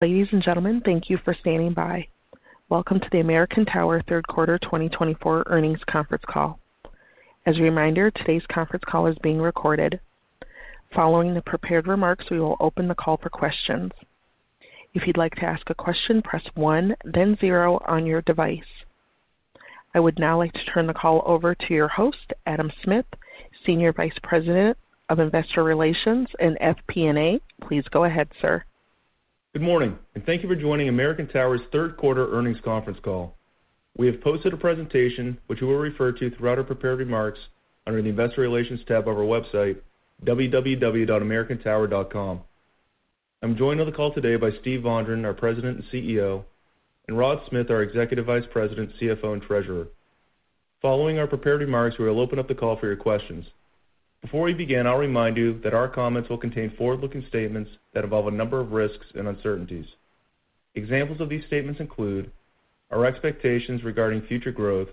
Ladies and gentlemen, thank you for standing by. Welcome to the American Tower third quarter 2024 earnings conference call. As a reminder, today's conference call is being recorded. Following the prepared remarks, we will open the call for questions. If you'd like to ask a question, press one, then zero on your device. I would now like to turn the call over to your host, Adam Smith, Senior Vice President of Investor Relations and FP&A. Please go ahead, sir. Good morning and thank you for joining American Tower's third quarter earnings conference call. We have posted a presentation, which we will refer to throughout our prepared remarks under the Investor Relations tab of our website, www.americantower.com. I'm joined on the call today by Steve Vondran, our President and CEO, and Rod Smith, our Executive Vice President, CFO, and Treasurer. Following our prepared remarks, we will open up the call for your questions. Before we begin, I'll remind you that our comments will contain forward-looking statements that involve a number of risks and uncertainties. Examples of these statements include our expectations regarding future growth,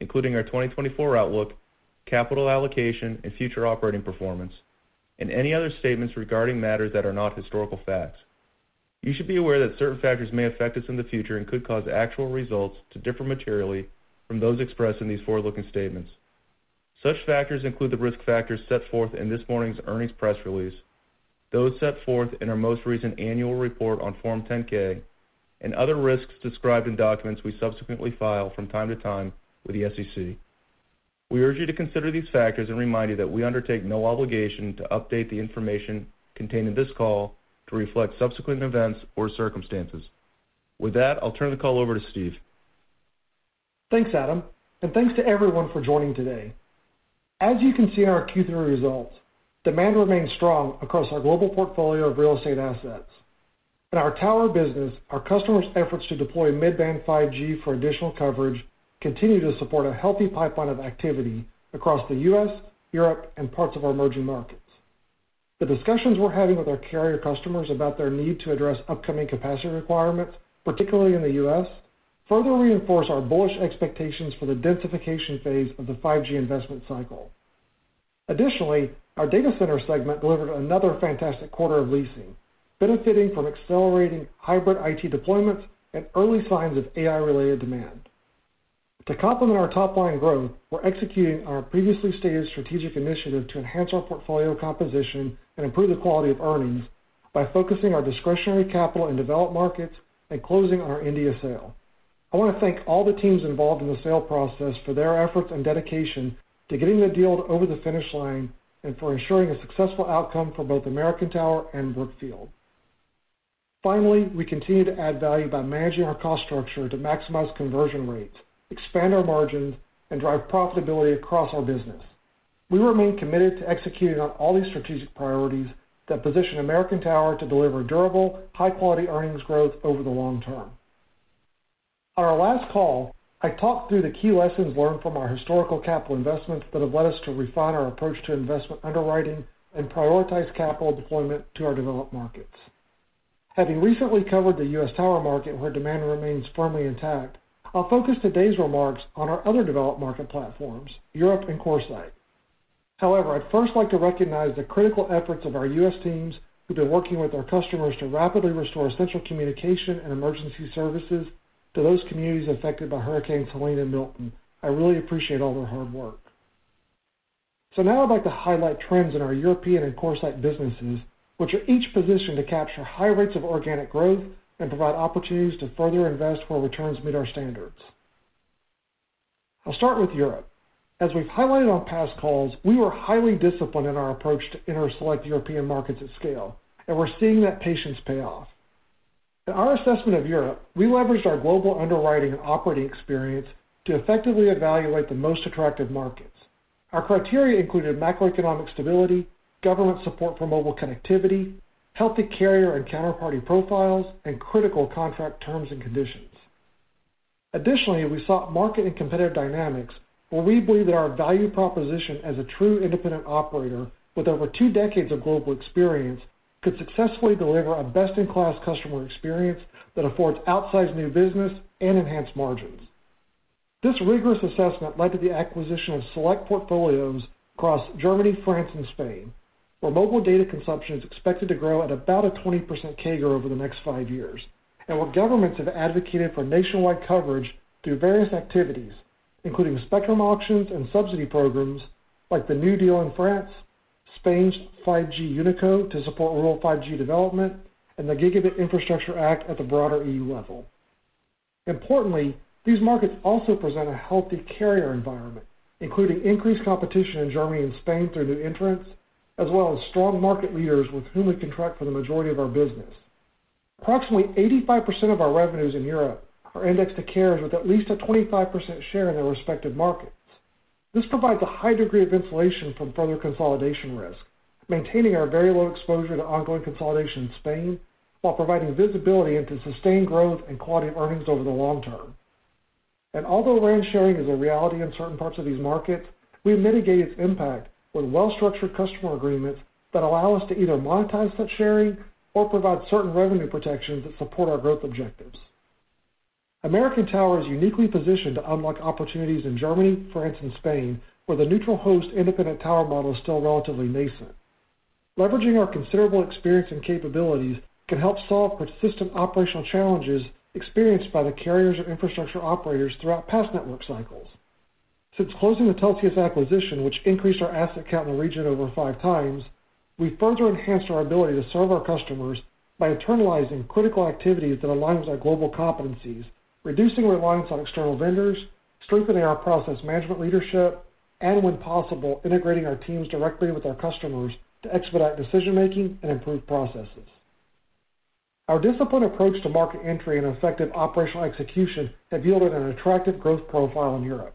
including our 2024 outlook, capital allocation, and future operating performance, and any other statements regarding matters that are not historical facts. You should be aware that certain factors may affect us in the future and could cause actual results to differ materially from those expressed in these forward-looking statements. Such factors include the risk factors set forth in this morning's earnings press release, those set forth in our most recent annual report on Form 10-K, and other risks described in documents we subsequently file from time to time with the SEC. We urge you to consider these factors and remind you that we undertake no obligation to update the information contained in this call to reflect subsequent events or circumstances. With that, I'll turn the call over to Steve. Thanks, Adam, and thanks to everyone for joining today. As you can see in our Q3 results, demand remains strong across our global portfolio of real estate assets. In our tower business, our customers' efforts to deploy mid-band 5G for additional coverage continue to support a healthy pipeline of activity across the U.S., Europe, and parts of our emerging markets. The discussions we're having with our carrier customers about their need to address upcoming capacity requirements, particularly in the U.S., further reinforce our bullish expectations for the densification phase of the 5G investment cycle. Additionally, our Data Center segment delivered another fantastic quarter of leasing, benefiting from accelerating hybrid IT deployments and early signs of AI-related demand. To complement our top-line growth, we're executing our previously stated strategic initiative to enhance our portfolio composition and improve the quality of earnings by focusing our discretionary capital in developed markets and closing on our India sale. I want to thank all the teams involved in the sale process for their efforts and dedication to getting the deal over the finish line and for ensuring a successful outcome for both American Tower and Brookfield. Finally, we continue to add value by managing our cost structure to maximize conversion rates, expand our margins, and drive profitability across our business. We remain committed to executing on all these strategic priorities that position American Tower to deliver durable, high-quality earnings growth over the long term. On our last call, I talked through the key lessons learned from our historical capital investments that have led us to refine our approach to investment underwriting and prioritize capital deployment to our developed markets. Having recently covered the U.S. tower market, where demand remains firmly intact, I'll focus today's remarks on our other developed market platforms, Europe and CoreSite. However, I'd first like to recognize the critical efforts of our U.S. teams who've been working with our customers to rapidly restore essential communication and emergency services to those communities affected by Hurricane Helene and Milton. I really appreciate all their hard work. So now I'd like to highlight trends in our European and CoreSite businesses, which are each positioned to capture high rates of organic growth and provide opportunities to further invest where returns meet our standards. I'll start with Europe. As we've highlighted on past calls, we were highly disciplined in our approach to enter select European markets at scale, and we're seeing that patience pay off. In our assessment of Europe, we leveraged our global underwriting and operating experience to effectively evaluate the most attractive markets. Our criteria included macroeconomic stability, government support for mobile connectivity, healthy carrier and counterparty profiles, and critical contract terms and conditions. Additionally, we sought market and competitive dynamics, where we believe that our value proposition as a true independent operator with over two decades of global experience could successfully deliver a best-in-class customer experience that affords outsized new business and enhanced margins. This rigorous assessment led to the acquisition of select portfolios across Germany, France, and Spain, where mobile data consumption is expected to grow at about a 20% CAGR over the next five years, and where governments have advocated for nationwide coverage through various activities, including spectrum auctions and subsidy programs like the New Deal in France, Spain's 5G UNICO to support rural 5G development, and the Gigabit Infrastructure Act at the broader EU level. Importantly, these markets also present a healthy carrier environment, including increased competition in Germany and Spain through new entrants, as well as strong market leaders with whom we contract for the majority of our business. Approximately 85% of our revenues in Europe are indexed to carriers with at least a 25% share in their respective markets. This provides a high degree of insulation from further consolidation risk, maintaining our very low exposure to ongoing consolidation in Spain while providing visibility into sustained growth and quality of earnings over the long term. And although RAN sharing is a reality in certain parts of these markets, we mitigate its impact with well-structured customer agreements that allow us to either monetize such sharing or provide certain revenue protections that support our growth objectives. American Tower is uniquely positioned to unlock opportunities in Germany, France, and Spain, where the neutral host independent tower model is still relatively nascent. Leveraging our considerable experience and capabilities can help solve persistent operational challenges experienced by the carriers or infrastructure operators throughout past network cycles. Since closing the Telxius acquisition, which increased our asset count in the region over five times, we've further enhanced our ability to serve our customers by internalizing critical activities that align with our global competencies, reducing reliance on external vendors, strengthening our process management leadership, and, when possible, integrating our teams directly with our customers to expedite decision-making and improve processes. Our disciplined approach to market entry and effective operational execution have yielded an attractive growth profile in Europe.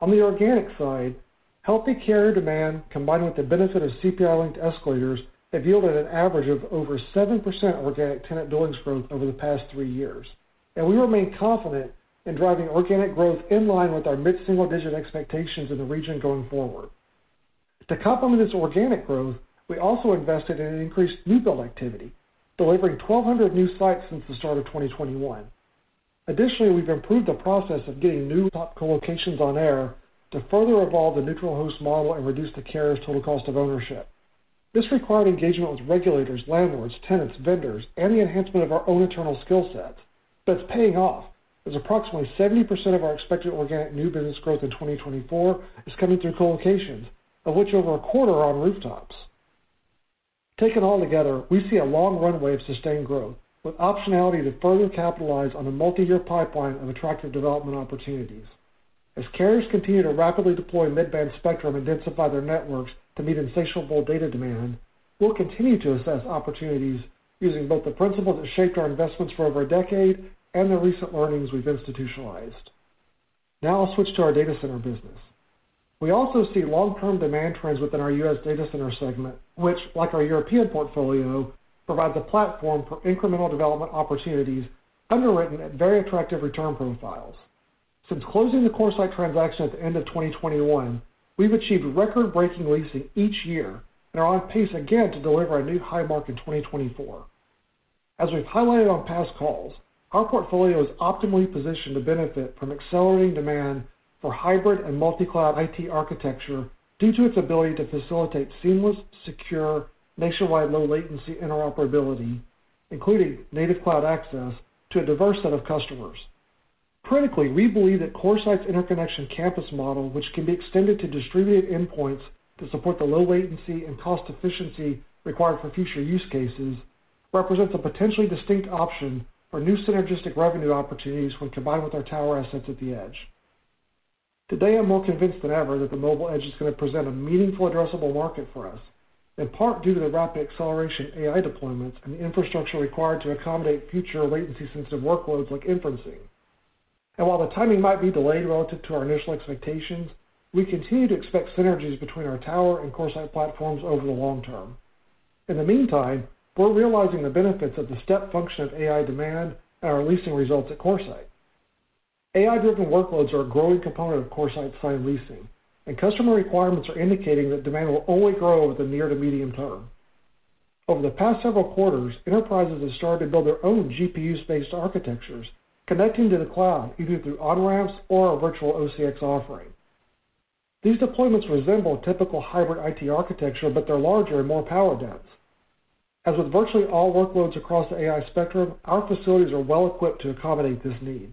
On the organic side, healthy carrier demand combined with the benefit of CPI-linked escalators have yielded an average of over 7% organic tenant billings growth over the past three years, and we remain confident in driving organic growth in line with our mid-single-digit expectations in the region going forward. To complement this organic growth, we also invested in increased new build activity, delivering 1,200 new sites since the start of 2021. Additionally, we've improved the process of getting new top colocations on air to further evolve the neutral host model and reduce the carrier's total cost of ownership. This required engagement with regulators, landlords, tenants, vendors, and the enhancement of our own internal skill sets, but it's paying off, as approximately 70% of our expected organic new business growth in 2024 is coming through colocations, of which over a quarter are on rooftops. Taken all together, we see a long runway of sustained growth with optionality to further capitalize on a multi-year pipeline of attractive development opportunities. As carriers continue to rapidly deploy mid-band spectrum and densify their networks to meet insatiable data demand, we'll continue to assess opportunities using both the principles that shaped our investments for over a decade and the recent learnings we've institutionalized. Now I'll switch to our Data Center business. We also see long-term demand trends within our U.S. Data Center segment, which, like our European portfolio, provides a platform for incremental development opportunities underwritten at very attractive return profiles. Since closing the CoreSite transaction at the end of 2021, we've achieved record-breaking leasing each year and are on pace again to deliver a new high mark in 2024. As we've highlighted on past calls, our portfolio is optimally positioned to benefit from accelerating demand for hybrid and multi-cloud IT architecture due to its ability to facilitate seamless, secure, nationwide low-latency interoperability, including native cloud access to a diverse set of customers. Critically, we believe that CoreSite's interconnection campus model, which can be extended to distributed endpoints to support the low latency and cost efficiency required for future use cases, represents a potentially distinct option for new synergistic revenue opportunities when combined with our tower assets at the edge. Today, I'm more convinced than ever that the mobile edge is going to present a meaningful addressable market for us, in part due to the rapid acceleration of AI deployments and the infrastructure required to accommodate future latency-sensitive workloads like inferencing, and while the timing might be delayed relative to our initial expectations, we continue to expect synergies between our tower and CoreSite platforms over the long term. In the meantime, we're realizing the benefits of the step function of AI demand and our leasing results at CoreSite. AI-driven workloads are a growing component of CoreSite signed leasing, and customer requirements are indicating that demand will only grow over the near to medium term. Over the past several quarters, enterprises have started to build their own GPU-based architectures, connecting to the cloud either through on-ramps or a virtual OCX offering. These deployments resemble typical hybrid IT architecture, but they're larger and more power-dense. As with virtually all workloads across the AI spectrum, our facilities are well-equipped to accommodate this need.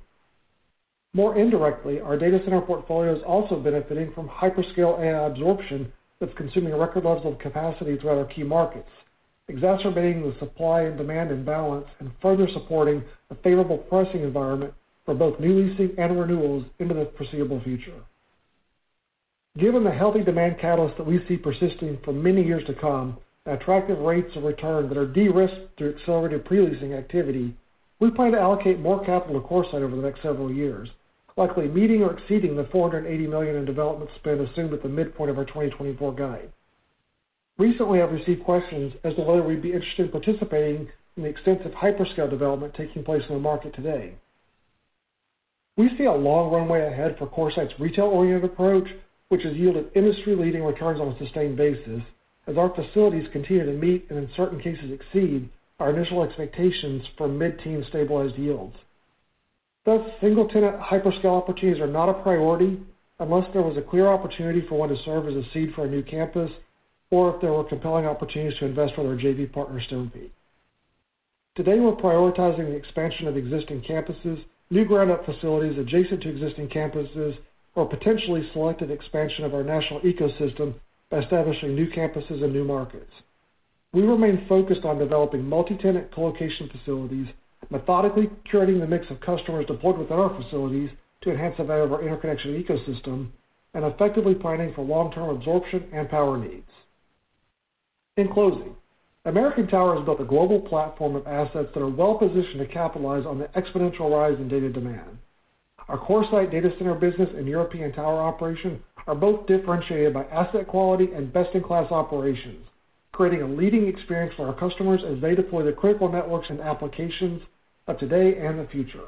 More indirectly, our data center portfolio is also benefiting from hyperscale AI absorption that's consuming record levels of capacity throughout our key markets, exacerbating the supply and demand imbalance and further supporting a favorable pricing environment for both new leasing and renewals into the foreseeable future. Given the healthy demand catalyst that we see persisting for many years to come and attractive rates of return that are de-risked through accelerated pre-leasing activity, we plan to allocate more capital to CoreSite over the next several years, likely meeting or exceeding the $480 million in development spend assumed at the midpoint of our 2024 guide. Recently, I've received questions as to whether we'd be interested in participating in the extensive hyperscale development taking place in the market today. We see a long runway ahead for CoreSite's retail-oriented approach, which has yielded industry-leading returns on a sustained basis, as our facilities continue to meet and, in certain cases, exceed our initial expectations for mid-teens stabilized yields. Thus, single tenant hyperscale opportunities are not a priority unless there was a clear opportunity for one to serve as a seed for a new campus or if there were compelling opportunities to invest with our JV partners to compete. Today, we're prioritizing the expansion of existing campuses, new ground-up facilities adjacent to existing campuses, or potentially selective expansion of our national ecosystem by establishing new campuses and new markets. We remain focused on developing multi-tenant colocation facilities, methodically curating the mix of customers deployed within our facilities to enhance the value of our interconnection ecosystem, and effectively planning for long-term absorption and power needs. In closing, American Tower has built a global platform of assets that are well-positioned to capitalize on the exponential rise in data demand. Our CoreSite Data Center business and European tower operation are both differentiated by asset quality and best-in-class operations, creating a leading experience for our customers as they deploy the critical networks and applications of today and the future.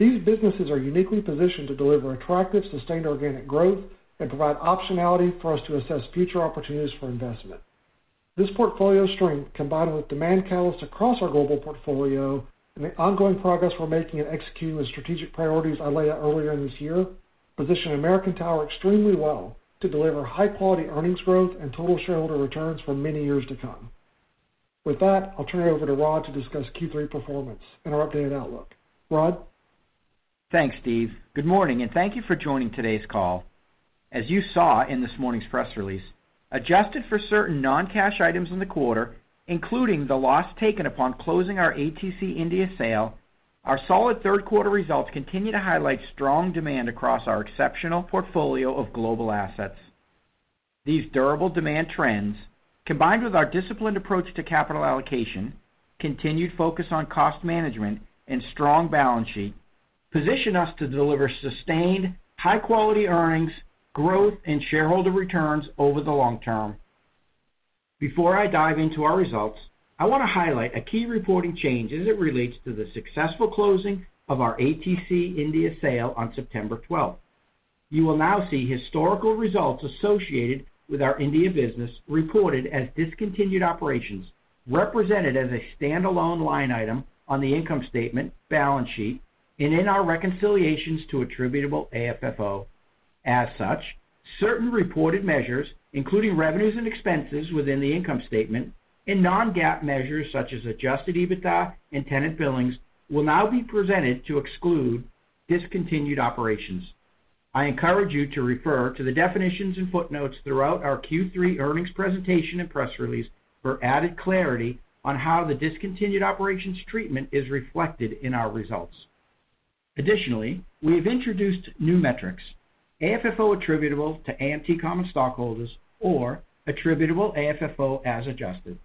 These businesses are uniquely positioned to deliver attractive sustained organic growth and provide optionality for us to assess future opportunities for investment. This portfolio strength, combined with demand catalysts across our global portfolio and the ongoing progress we're making in executing the strategic priorities I laid out earlier in this year, position American Tower extremely well to deliver high-quality earnings growth and total shareholder returns for many years to come. With that, I'll turn it over to Rod to discuss Q3 performance and our updated outlook. Rod? Thanks, Steve. Good morning and thank you for joining today's call. As you saw in this morning's press release, adjusted for certain non-cash items in the quarter, including the loss taken upon closing our ATC India sale, our solid third-quarter results continue to highlight strong demand across our exceptional portfolio of global assets. These durable demand trends, combined with our disciplined approach to capital allocation, continued focus on cost management, and strong balance sheet, position us to deliver sustained high-quality earnings, growth, and shareholder returns over the long term. Before I dive into our results, I want to highlight a key reporting change as it relates to the successful closing of our ATC India sale on September 12th. You will now see historical results associated with our India business reported as discontinued operations represented as a standalone line item on the income statement, balance sheet, and in our reconciliations to attributable AFFO. As such, certain reported measures, including revenues and expenses within the income statement and non-GAAP measures such as adjusted EBITDA and tenant billings, will now be presented to exclude discontinued operations. I encourage you to refer to the definitions and footnotes throughout our Q3 earnings presentation and press release for added clarity on how the discontinued operations treatment is reflected in our results. Additionally, we have introduced new metrics: AFFO attributable to AMT Common Stockholders or attributable AFFO as adjusted,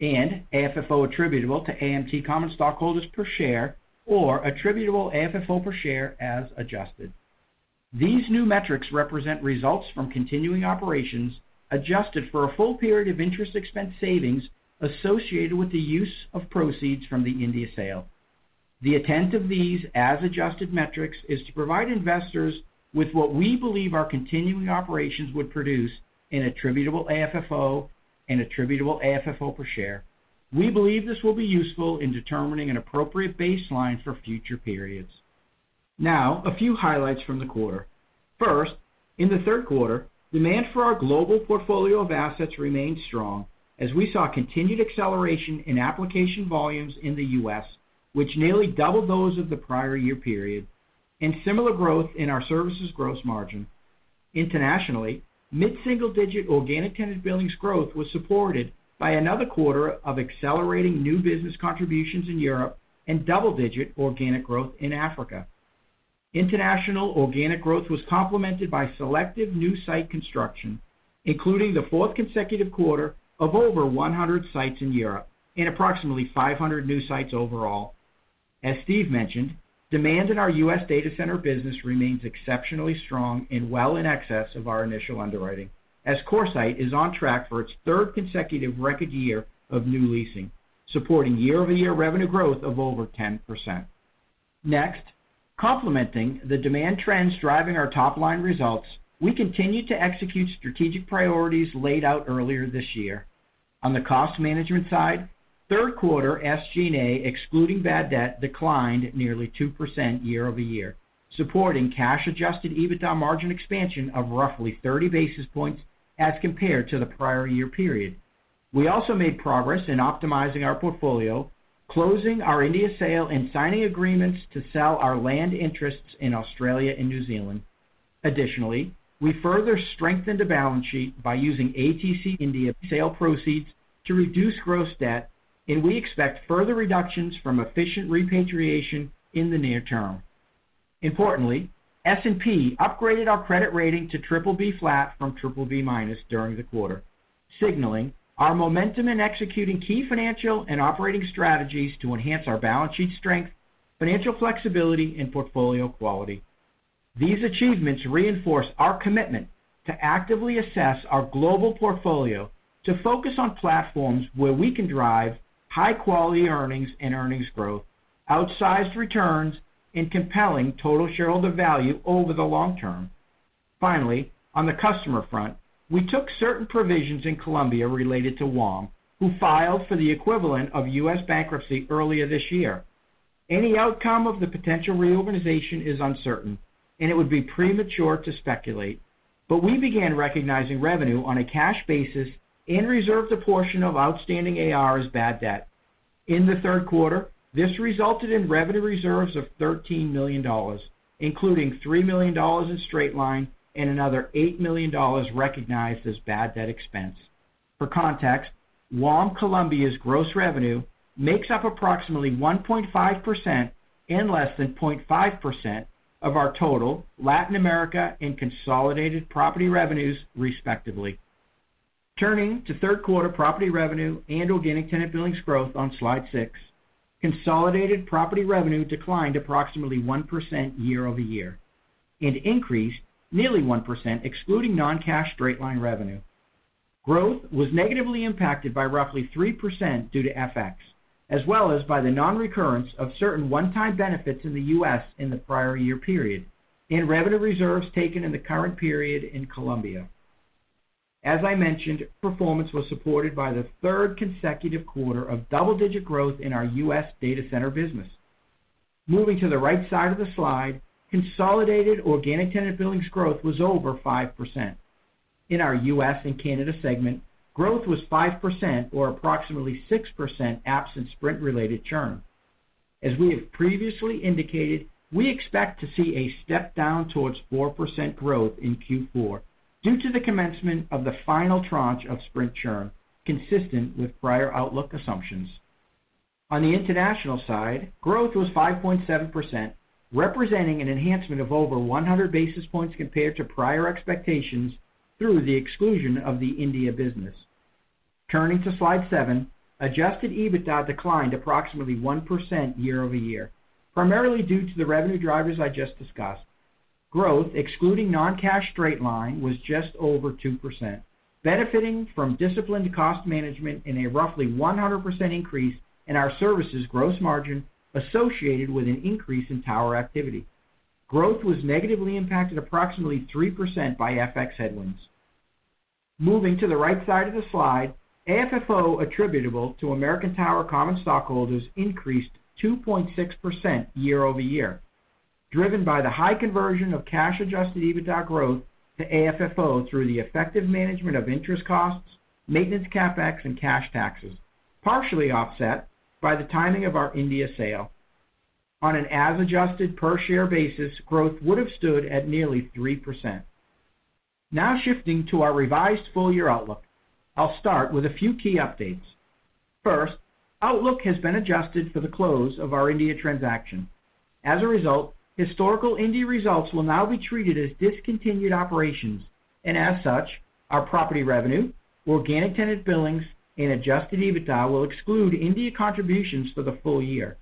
and AFFO attributable to AMT Common Stockholders per share or attributable AFFO per share as adjusted. These new metrics represent results from continuing operations adjusted for a full period of interest expense savings associated with the use of proceeds from the India sale. The intent of these as adjusted metrics is to provide investors with what we believe our continuing operations would produce in attributable AFFO and attributable AFFO per share. We believe this will be useful in determining an appropriate baseline for future periods. Now, a few highlights from the quarter. First, in the third quarter, demand for our global portfolio of assets remained strong as we saw continued acceleration in application volumes in the U.S., which nearly doubled those of the prior year period, and similar growth in our services gross margin. Internationally, mid-single-digit organic tenant billings growth was supported by another quarter of accelerating new business contributions in Europe and double-digit organic growth in Africa. International organic growth was complemented by selective new site construction, including the fourth consecutive quarter of over 100 sites in Europe and approximately 500 new sites overall. As Steve mentioned, demand in our U.S. Data Center business remains exceptionally strong and well in excess of our initial underwriting, as CoreSite is on track for its third consecutive record year of new leasing, supporting year-over-year revenue growth of over 10%. Next, complementing the demand trends driving our top-line results, we continue to execute strategic priorities laid out earlier this year. On the cost management side, third-quarter SG&A excluding bad debt declined nearly 2% year-over-year, supporting cash-adjusted EBITDA margin expansion of roughly 30 basis points as compared to the prior year period. We also made progress in optimizing our portfolio, closing our India sale and signing agreements to sell our land interests in Australia and New Zealand. Additionally, we further strengthened the balance sheet by using ATC India sale proceeds to reduce gross debt, and we expect further reductions from efficient repatriation in the near term. Importantly, S&P upgraded our credit rating to BBB flat from BBB minus during the quarter, signaling our momentum in executing key financial and operating strategies to enhance our balance sheet strength, financial flexibility, and portfolio quality. These achievements reinforce our commitment to actively assess our global portfolio to focus on platforms where we can drive high-quality earnings and earnings growth, outsized returns, and compelling total shareholder value over the long term. Finally, on the customer front, we took certain provisions in Colombia related to WOM, who filed for the equivalent of U.S. bankruptcy earlier this year. Any outcome of the potential reorganization is uncertain, and it would be premature to speculate, but we began recognizing revenue on a cash basis and reserved a portion of outstanding AR as bad debt. In the third quarter, this resulted in revenue reserves of $13 million, including $3 million in straight-line and another $8 million recognized as bad debt expense. For context, WOM Colombia's gross revenue makes up approximately 1.5% and less than 0.5% of our total Latin America and consolidated property revenues, respectively. Turning to third-quarter property revenue and organic tenant billings growth on slide six, consolidated property revenue declined approximately 1% year-over-year and increased nearly 1% excluding non-cash straight-line revenue. Growth was negatively impacted by roughly 3% due to FX, as well as by the non-recurrence of certain one-time benefits in the U.S. in the prior year period and revenue reserves taken in the current period in Colombia. As I mentioned, performance was supported by the third consecutive quarter of double-digit growth in our U.S. Data Center business. Moving to the right side of the slide, consolidated organic tenant billings growth was over 5%. In our U.S. and Canada segment, growth was 5% or approximately 6% absent Sprint-related churn. As we have previously indicated, we expect to see a step down towards 4% growth in Q4 due to the commencement of the final tranche of Sprint churn, consistent with prior outlook assumptions. On the international side, growth was 5.7%, representing an enhancement of over 100 basis points compared to prior expectations through the exclusion of the India business. Turning to slide seven, Adjusted EBITDA declined approximately 1% year-over-year, primarily due to the revenue drivers I just discussed. Growth, excluding non-cash straight-line, was just over 2%, benefiting from disciplined cost management and a roughly 100% increase in our services gross margin associated with an increase in tower activity. Growth was negatively impacted approximately 3% by FX headwinds. Moving to the right side of the slide, AFFO attributable to American Tower Common Stockholders increased 2.6% year-over-year, driven by the high conversion of cash-adjusted EBITDA growth to AFFO through the effective management of interest costs, maintenance CapEx, and cash taxes, partially offset by the timing of our India sale. On an as-adjusted per-share basis, growth would have stood at nearly 3%. Now shifting to our revised full-year outlook, I'll start with a few key updates. First, outlook has been adjusted for the close of our India transaction. As a result, historical India results will now be treated as discontinued operations, and as such, our property revenue, organic tenant billings, and adjusted EBITDA will exclude India contributions for the full year.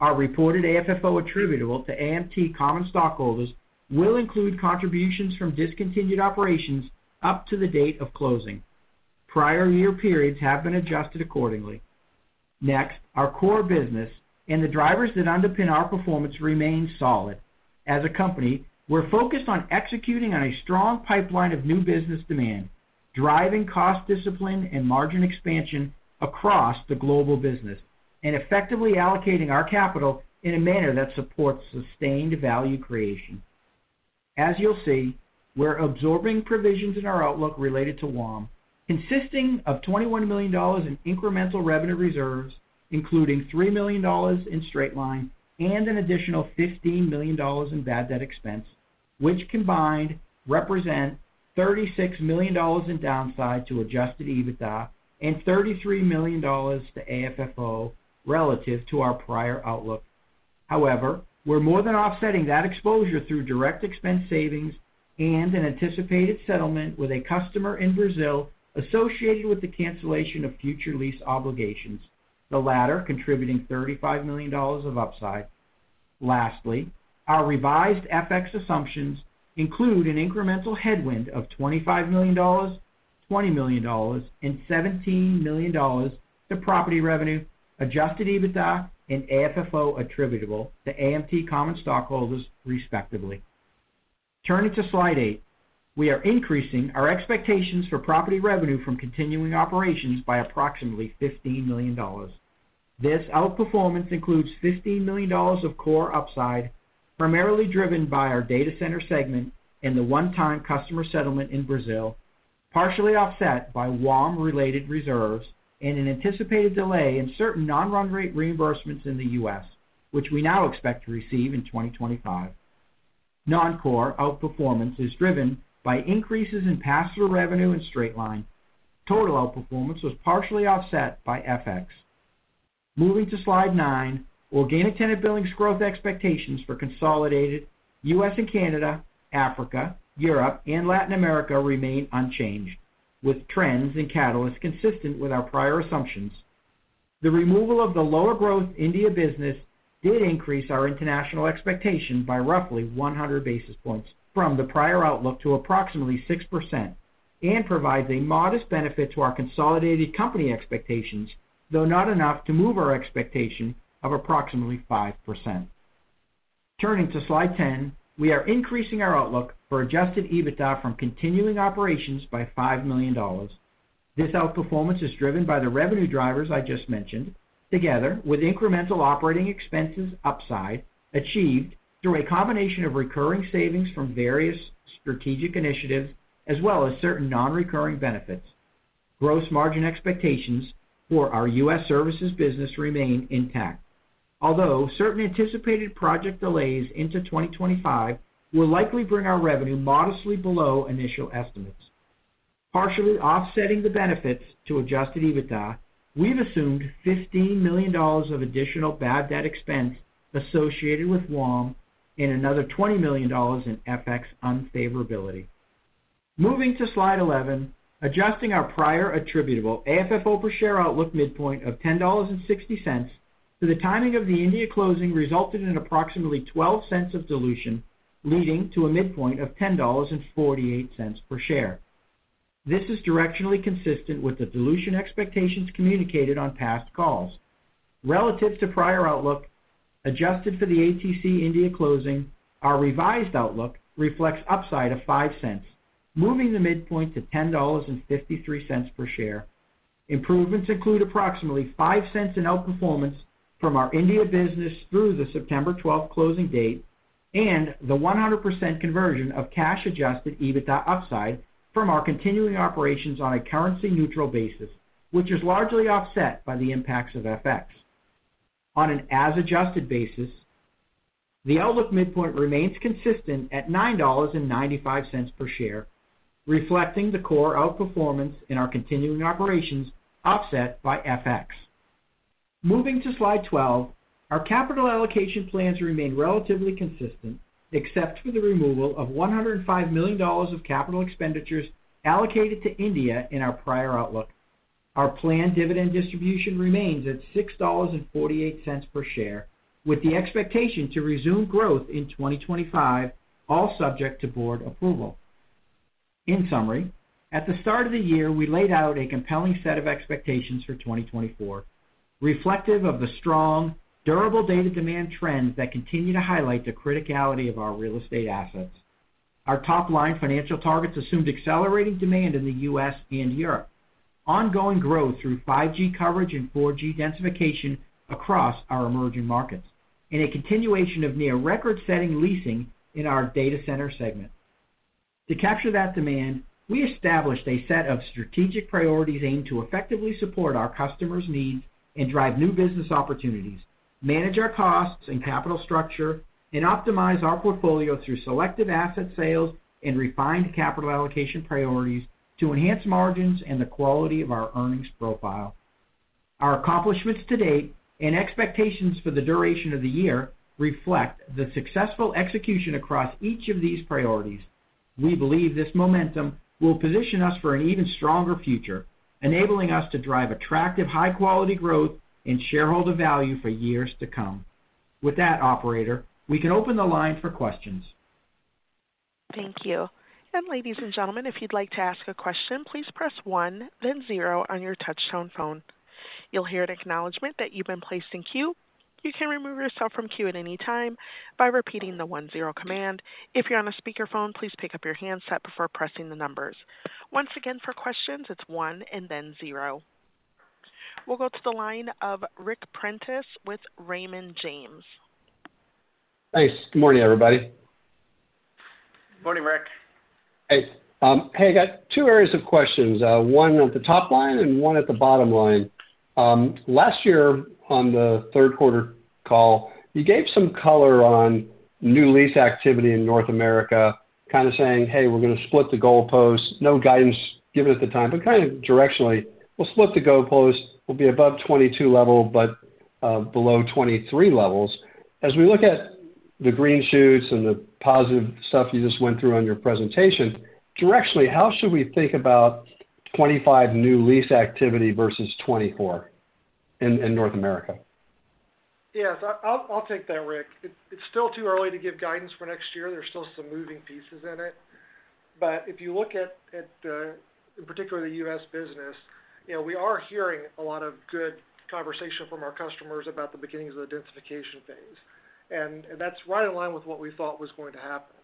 Our reported AFFO attributable to AMT Common Stockholders will include contributions from discontinued operations up to the date of closing. Prior year periods have been adjusted accordingly. Next, our core business and the drivers that underpin our performance remain solid. As a company, we're focused on executing on a strong pipeline of new business demand, driving cost discipline and margin expansion across the global business, and effectively allocating our capital in a manner that supports sustained value creation. As you'll see, we're absorbing provisions in our outlook related to WOM, consisting of $21 million in incremental revenue reserves, including $3 million in straight-line and an additional $15 million in bad debt expense, which combined represent $36 million in downside to adjusted EBITDA and $33 million to AFFO relative to our prior outlook. However, we're more than offsetting that exposure through direct expense savings and an anticipated settlement with a customer in Brazil associated with the cancellation of future lease obligations, the latter contributing $35 million of upside. Lastly, our revised FX assumptions include an incremental headwind of $25 million, $20 million, and $17 million to property revenue, Adjusted EBITDA, and AFFO attributable to AMT Common Stockholders, respectively. Turning to slide eight, we are increasing our expectations for property revenue from continuing operations by approximately $15 million. This outperformance includes $15 million of core upside, primarily driven by our Data Center segment and the one-time customer settlement in Brazil, partially offset by WOM-related reserves and an anticipated delay in certain non-run rate reimbursements in the U.S., which we now expect to receive in 2025. Non-core outperformance is driven by increases in pass-through revenue and straight-line. Total outperformance was partially offset by FX. Moving to slide nine, organic tenant billings growth expectations for consolidated U.S. and Canada, Africa, Europe, and Latin America remain unchanged, with trends and catalysts consistent with our prior assumptions. The removal of the lower growth India business did increase our international expectation by roughly 100 basis points from the prior outlook to approximately 6% and provides a modest benefit to our consolidated company expectations, though not enough to move our expectation of approximately 5%. Turning to slide 10, we are increasing our outlook for Adjusted EBITDA from continuing operations by $5 million. This outperformance is driven by the revenue drivers I just mentioned, together with incremental operating expenses upside achieved through a combination of recurring savings from various strategic initiatives, as well as certain non-recurring benefits. Gross margin expectations for our U.S. services business remain intact, although certain anticipated project delays into 2025 will likely bring our revenue modestly below initial estimates. Partially offsetting the benefits to Adjusted EBITDA, we've assumed $15 million of additional bad debt expense associated with WOM and another $20 million in FX unfavorability. Moving to slide 11, adjusting our prior attributable AFFO per share outlook midpoint of $10.60 to the timing of the India closing resulted in approximately $0.12 of dilution, leading to a midpoint of $10.48 per share. This is directionally consistent with the dilution expectations communicated on past calls. Relative to prior outlook, adjusted for the ATC India closing, our revised outlook reflects upside of $0.05, moving the midpoint to $10.53 per share. Improvements include approximately $0.05 in outperformance from our India business through the September 12th closing date and the 100% conversion of cash-adjusted EBITDA upside from our continuing operations on a currency-neutral basis, which is largely offset by the impacts of FX. On an as-adjusted basis, the outlook midpoint remains consistent at $9.95 per share, reflecting the core outperformance in our continuing operations offset by FX. Moving to slide 12, our capital allocation plans remain relatively consistent, except for the removal of $105 million of capital expenditures allocated to India in our prior outlook. Our planned dividend distribution remains at $6.48 per share, with the expectation to resume growth in 2025, all subject to board approval. In summary, at the start of the year, we laid out a compelling set of expectations for 2024, reflective of the strong, durable data demand trends that continue to highlight the criticality of our real estate assets. Our top-line financial targets assumed accelerating demand in the U.S. and Europe, ongoing growth through 5G coverage and 4G densification across our emerging markets, and a continuation of near-record-setting leasing in our Data Center segment. To capture that demand, we established a set of strategic priorities aimed to effectively support our customers' needs and drive new business opportunities, manage our costs and capital structure, and optimize our portfolio through selective asset sales and refined capital allocation priorities to enhance margins and the quality of our earnings profile. Our accomplishments to date and expectations for the duration of the year reflect the successful execution across each of these priorities. We believe this momentum will position us for an even stronger future, enabling us to drive attractive, high-quality growth and shareholder value for years to come. With that, Operator, we can open the line for questions. Thank you. And ladies and gentlemen, if you'd like to ask a question, please press one, then zero on your touch-tone phone. You'll hear an acknowledgment that you've been placed in queue. You can remove yourself from queue at any time by repeating the one-zero command. If you're on a speakerphone, please pick up your handset before pressing the numbers. Once again, for questions, it's one and then zero. We'll go to the line of Ric Prentiss with Raymond James. Thanks. Good morning, everybody. Good morning, Ric. Hey. Hey, I got two areas of questions, one at the top line and one at the bottom line. Last year on the third-quarter call, you gave some color on new lease activity in North America, kind of saying, "Hey, we're going to split the goalposts." No guidance given at the time, but kind of directionally, we'll split the goalposts. We'll be above 22 level, but below 23 levels. As we look at the green shoots and the positive stuff you just went through on your presentation, directionally, how should we think about 2025 new lease activity versus 2024 in North America? Yeah, I'll take that, Ric. It's still too early to give guidance for next year. There's still some moving pieces in it. But if you look at, in particular, the U.S. business, we are hearing a lot of good conversation from our customers about the beginnings of the densification phase. And that's right in line with what we thought was going to happen.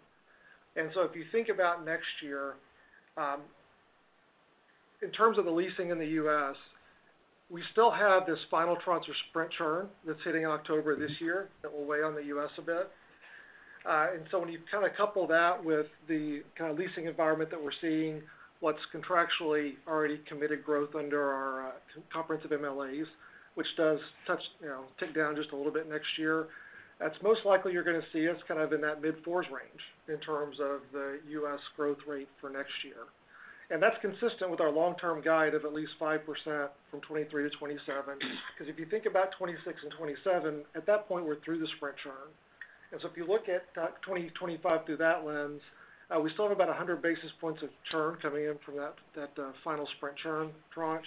And so if you think about next year, in terms of the leasing in the U.S., we still have this final tranche of Sprint churn that's hitting October this year that will weigh on the U.S. a bit. And so, when you kind of couple that with the kind of leasing environment that we're seeing, what's contractually already committed growth under our comprehensive MLAs, which does tick down just a little bit next year, that's most likely you're going to see us kind of in that mid-4s range in terms of the U.S. growth rate for next year. And that's consistent with our long-term guide of at least 5% from 2023 to 2027. Because if you think about 2026 and 2027, at that point, we're through the Sprint churn. And so if you look at 2025 through that lens, we still have about 100 basis points of churn coming in from that final Sprint churn tranche.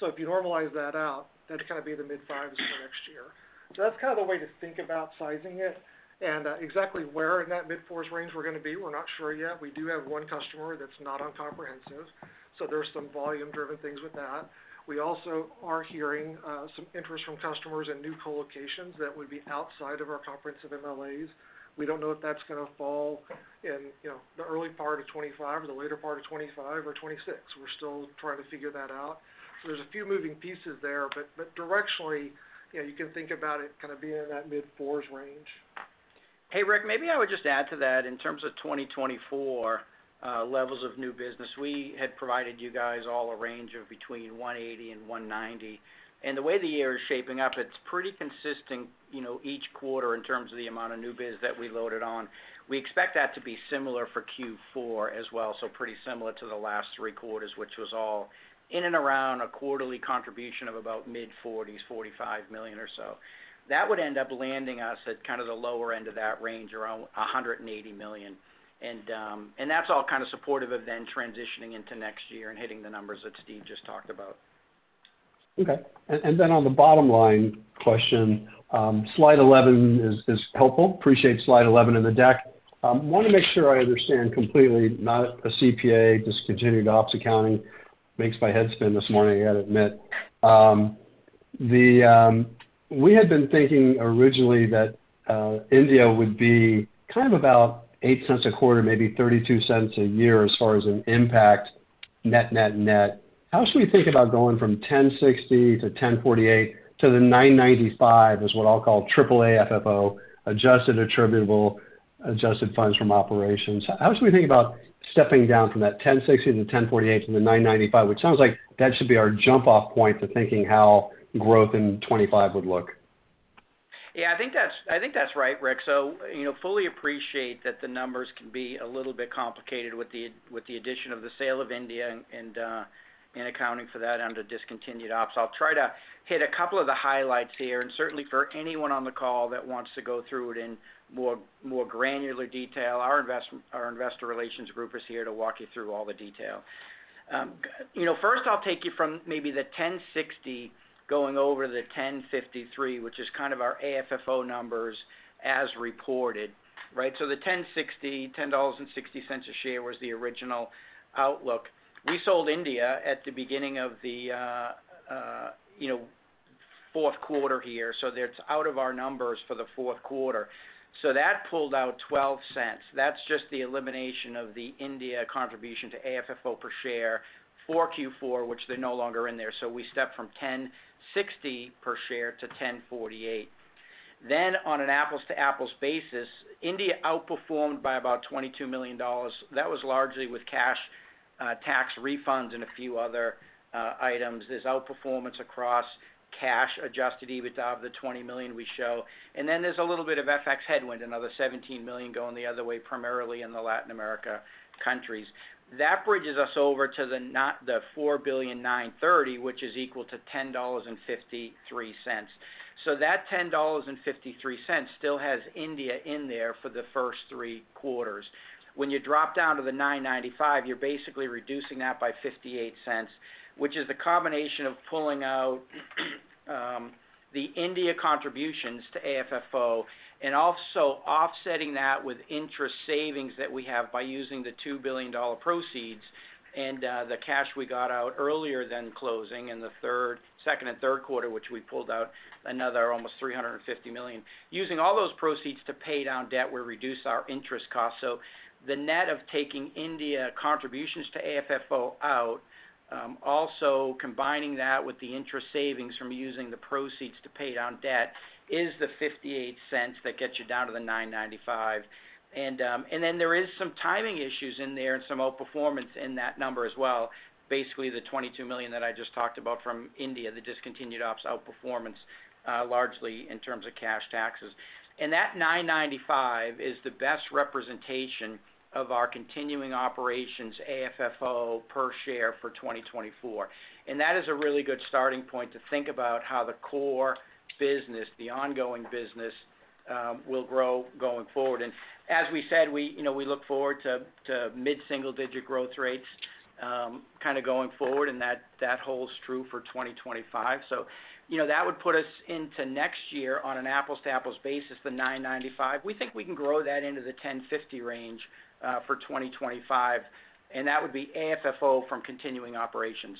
So if you normalize that out, that'd kind of be the mid-5s for next year. So that's kind of the way to think about sizing it. Exactly where in that mid-4s range we're going to be, we're not sure yet. We do have one customer that's not on comprehensive. So there's some volume-driven things with that. We also are hearing some interest from customers in new colocations that would be outside of our comprehensive MLAs. We don't know if that's going to fall in the early part of 2025 or the later part of 2025 or 2026. We're still trying to figure that out. So there's a few moving pieces there. But directionally, you can think about it kind of being in that mid-4s range. Hey, Ric, maybe I would just add to that in terms of 2024 levels of new business. We had provided you guys all a range of between 180 and 190. The way the year is shaping up, it's pretty consistent each quarter in terms of the amount of new biz that we loaded on. We expect that to be similar for Q4 as well, so pretty similar to the last three quarters, which was all in and around a quarterly contribution of about mid-40s, $45 million or so. That would end up landing us at kind of the lower end of that range around $180 million. That's all kind of supportive of then transitioning into next year and hitting the numbers that Steve just talked about. Okay. Then on the bottom-line question, slide 11 is helpful. Appreciate slide 11 in the deck. I want to make sure I understand completely. Not a CPA, discontinued ops accounting. Makes my head spin this morning, I got to admit. We had been thinking originally that India would be kind of about $0.08 a quarter, maybe $0.32 a year as far as an impact net, net, net. How should we think about going from $10.60 to $10.48 to the $9.95? That is what I'll call AFFO, adjusted attributable, adjusted funds from operations. How should we think about stepping down from that $10.60 to $10.48 to the $9.95? Which sounds like that should be our jump-off point to thinking how growth in 2025 would look. Yeah, I think that's right, Ric. So I fully appreciate that the numbers can be a little bit complicated with the addition of the sale of India and accounting for that under discontinued ops. I'll try to hit a couple of the highlights here. Certainly for anyone on the call that wants to go through it in more granular detail, our investor relations group is here to walk you through all the detail. First, I'll take you from maybe the $10.60 going over the $10.53, which is kind of our AFFO numbers as reported. Right? So the $10.60, $10.60 a share was the original outlook. We sold India at the beginning of the fourth quarter here. So it's out of our numbers for the fourth quarter. So that pulled out $0.12. That's just the elimination of the India contribution to AFFO per share for Q4, which they're no longer in there. So we step from $10.60 per share to $10.48. Then on an apples-to-apples basis, India outperformed by about $22 million. That was largely with cash tax refunds and a few other items. There's outperformance across cash adjusted EBITDA of the $20 million we show. And then there's a little bit of FX headwind, another $17 million going the other way, primarily in the Latin America countries. That bridges us over to the $4.930 billion, which is equal to $10.53. So that $10.53 still has India in there for the first three quarters. When you drop down to the $9.95, you're basically reducing that by $0.58, which is the combination of pulling out the India contributions to AFFO and also offsetting that with interest savings that we have by using the $2 billion proceeds and the cash we got out earlier than closing in the second and third quarter, which we pulled out another almost $350 million. Using all those proceeds to pay down debt, we reduce our interest costs. The net of taking India contributions to AFFO out, also combining that with the interest savings from using the proceeds to pay down debt, is the $0.58 that gets you down to the $9.95. Then there are some timing issues in there and some outperformance in that number as well. Basically, the $22 million that I just talked about from India, the discontinued ops outperformance, largely in terms of cash taxes. That $9.95 is the best representation of our continuing operations AFFO per share for 2024. That is a really good starting point to think about how the core business, the ongoing business, will grow going forward. As we said, we look forward to mid-single-digit growth rates kind of going forward, and that holds true for 2025. That would put us into next year on an apples-to-apples basis, the $9.95. We think we can grow that into the $10.50 range for 2025, and that would be AFFO from continuing operations.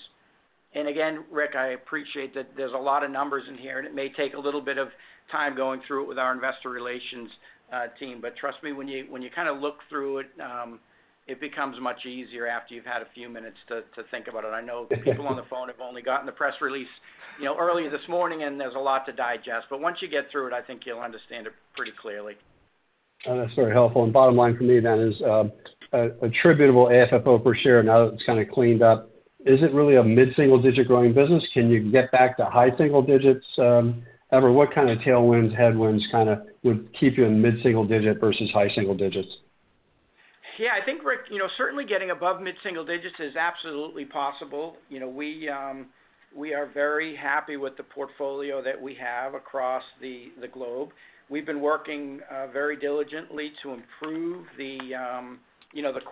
And again, Ric, I appreciate that there's a lot of numbers in here, and it may take a little bit of time going through it with our investor relations team. But trust me, when you kind of look through it, it becomes much easier after you've had a few minutes to think about it. I know the people on the phone have only gotten the press release earlier this morning, and there's a lot to digest. But once you get through it, I think you'll understand it pretty clearly. That's very helpful. And bottom line for me then is attributable AFFO per share now that it's kind of cleaned up. Is it really a mid-single-digit growing business? Can you get back to high single digits ever? What kind of tailwinds, headwinds kind of would keep you in mid-single digit versus high single digits? Yeah, I think, Ric, certainly getting above mid-single digits is absolutely possible. We are very happy with the portfolio that we have across the globe. We've been working very diligently to improve the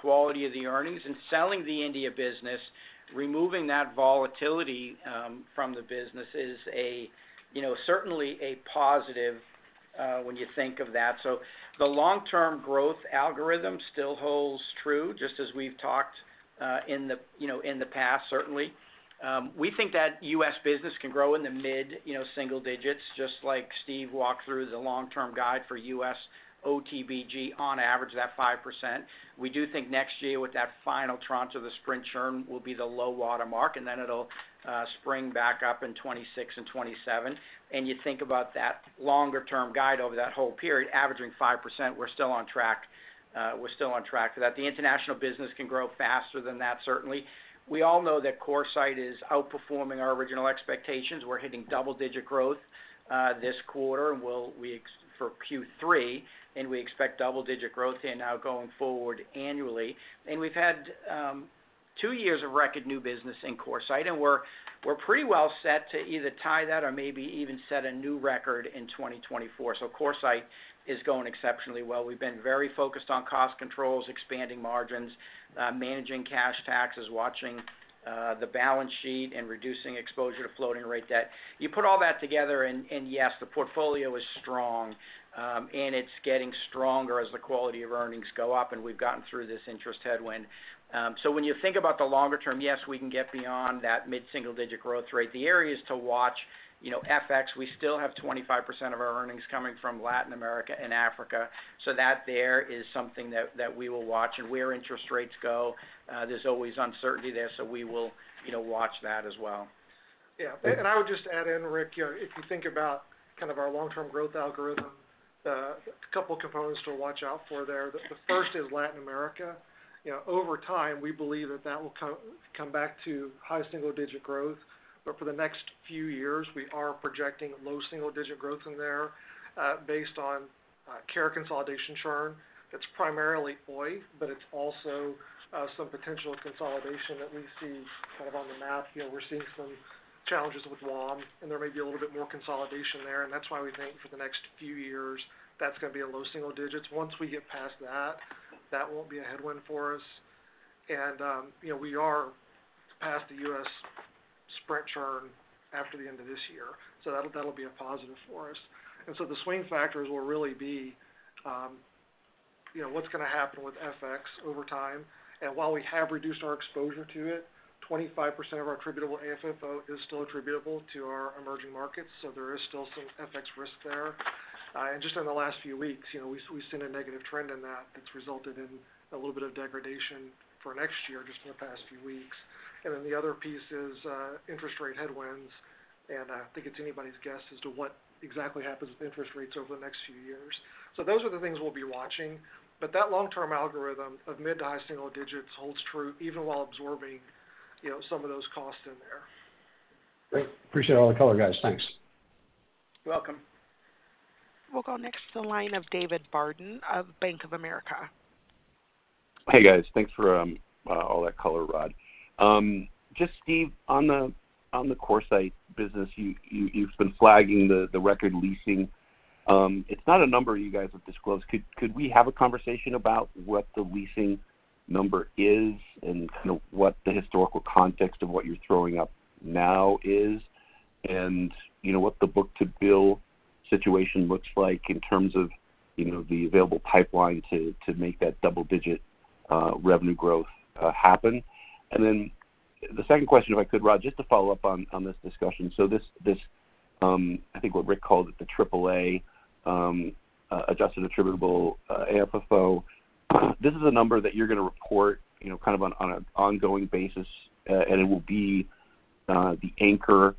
quality of the earnings. And selling the India business, removing that volatility from the business is certainly a positive when you think of that. So, the long-term growth algorithm still holds true, just as we've talked in the past, certainly. We think that U.S. business can grow in the mid-single digits, just like Steve walked through the long-term guide for U.S. OTBG on average, that 5%. We do think next year with that final tranche of the Sprint churn will be the low watermark, and then it'll spring back up in 2026 and 2027. You think about that longer-term guide over that whole period, averaging 5%, we're still on track. We're still on track for that. The international business can grow faster than that, certainly. We all know that CoreSite is outperforming our original expectations. We're hitting double-digit growth this quarter for Q3, and we expect double-digit growth now going forward annually. We've had two years of record new business in CoreSite, and we're pretty well set to either tie that or maybe even set a new record in 2024. CoreSite is going exceptionally well. We've been very focused on cost controls, expanding margins, managing cash taxes, watching the balance sheet, and reducing exposure to floating rate. You put all that together, and yes, the portfolio is strong, and it's getting stronger as the quality of earnings go up, and we've gotten through this interest headwind. When you think about the longer term, yes, we can get beyond that mid-single-digit growth rate. The area to watch is FX. We still have 25% of our earnings coming from Latin America and Africa. So, that's something that we will watch. And where interest rates go, there's always uncertainty there, so we will watch that as well. Yeah. And I would just add in, Ric, if you think about kind of our long-term growth algorithm, a couple of components to watch out for there. The first is Latin America. Over time, we believe that that will come back to high single-digit growth. But for the next few years, we are projecting low single-digit growth in there based on carrier consolidation churn. It's primarily Oi, but it's also some potential consolidation that we see kind of on the map. We're seeing some challenges with WOM, and there may be a little bit more consolidation there. And that's why we think for the next few years, that's going to be a low single digits. Once we get past that, that won't be a headwind for us. And we are past the U.S. Sprint churn after the end of this year. So that'll be a positive for us. And so the swing factors will really be what's going to happen with FX over time. And while we have reduced our exposure to it, 25% of our attributable AFFO is still attributable to our emerging markets. So, there is still some FX risk there. And just in the last few weeks, we've seen a negative trend in that that's resulted in a little bit of degradation for next year just in the past few weeks. And then the other piece is interest rate headwinds. And I think it's anybody's guess as to what exactly happens with interest rates over the next few years. So those are the things we'll be watching. But that long-term algorithm of mid to high single digits holds true even while absorbing some of those costs in there. Great. Appreciate all the color, guys. Thanks. You're welcome. We'll go next to the line of David Barden of Bank of America. Hey, guys. Thanks for all that color, Rod. Just, Steve, on the CoreSite business, you've been flagging the record leasing. It's not a number you guys have disclosed. Could we have a conversation about what the leasing number is and what the historical context of what you're throwing up now is and what the book-to-bill situation looks like in terms of the available pipeline to make that double-digit revenue growth happen? And then the second question, if I could, Rod, just to follow up on this discussion. So this, I think what Ric called it, the AAA adjusted attributable AFFO, this is a number that you're going to report kind of on an ongoing basis, and it will be the anchor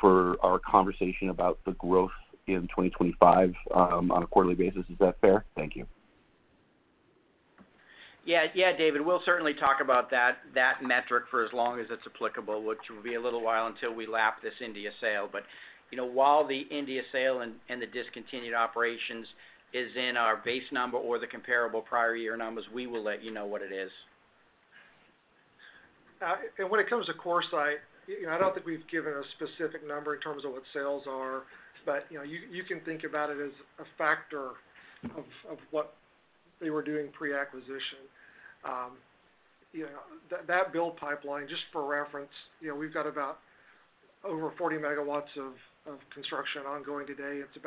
for our conversation about the growth in 2025 on a quarterly basis. Is that fair? Thank you. Yeah. Yeah, David. We'll certainly talk about that metric for as long as it's applicable, which will be a little while until we lap this India sale. But while the India sale and the discontinued operations is in our base number or the comparable prior year numbers, we will let you know what it is. And when it comes to CoreSite, I don't think we've given a specific number in terms of what sales are, but you can think about it as a factor of what they were doing pre-acquisition. That build pipeline, just for reference, we've got about over 40 MW of construction ongoing today. It's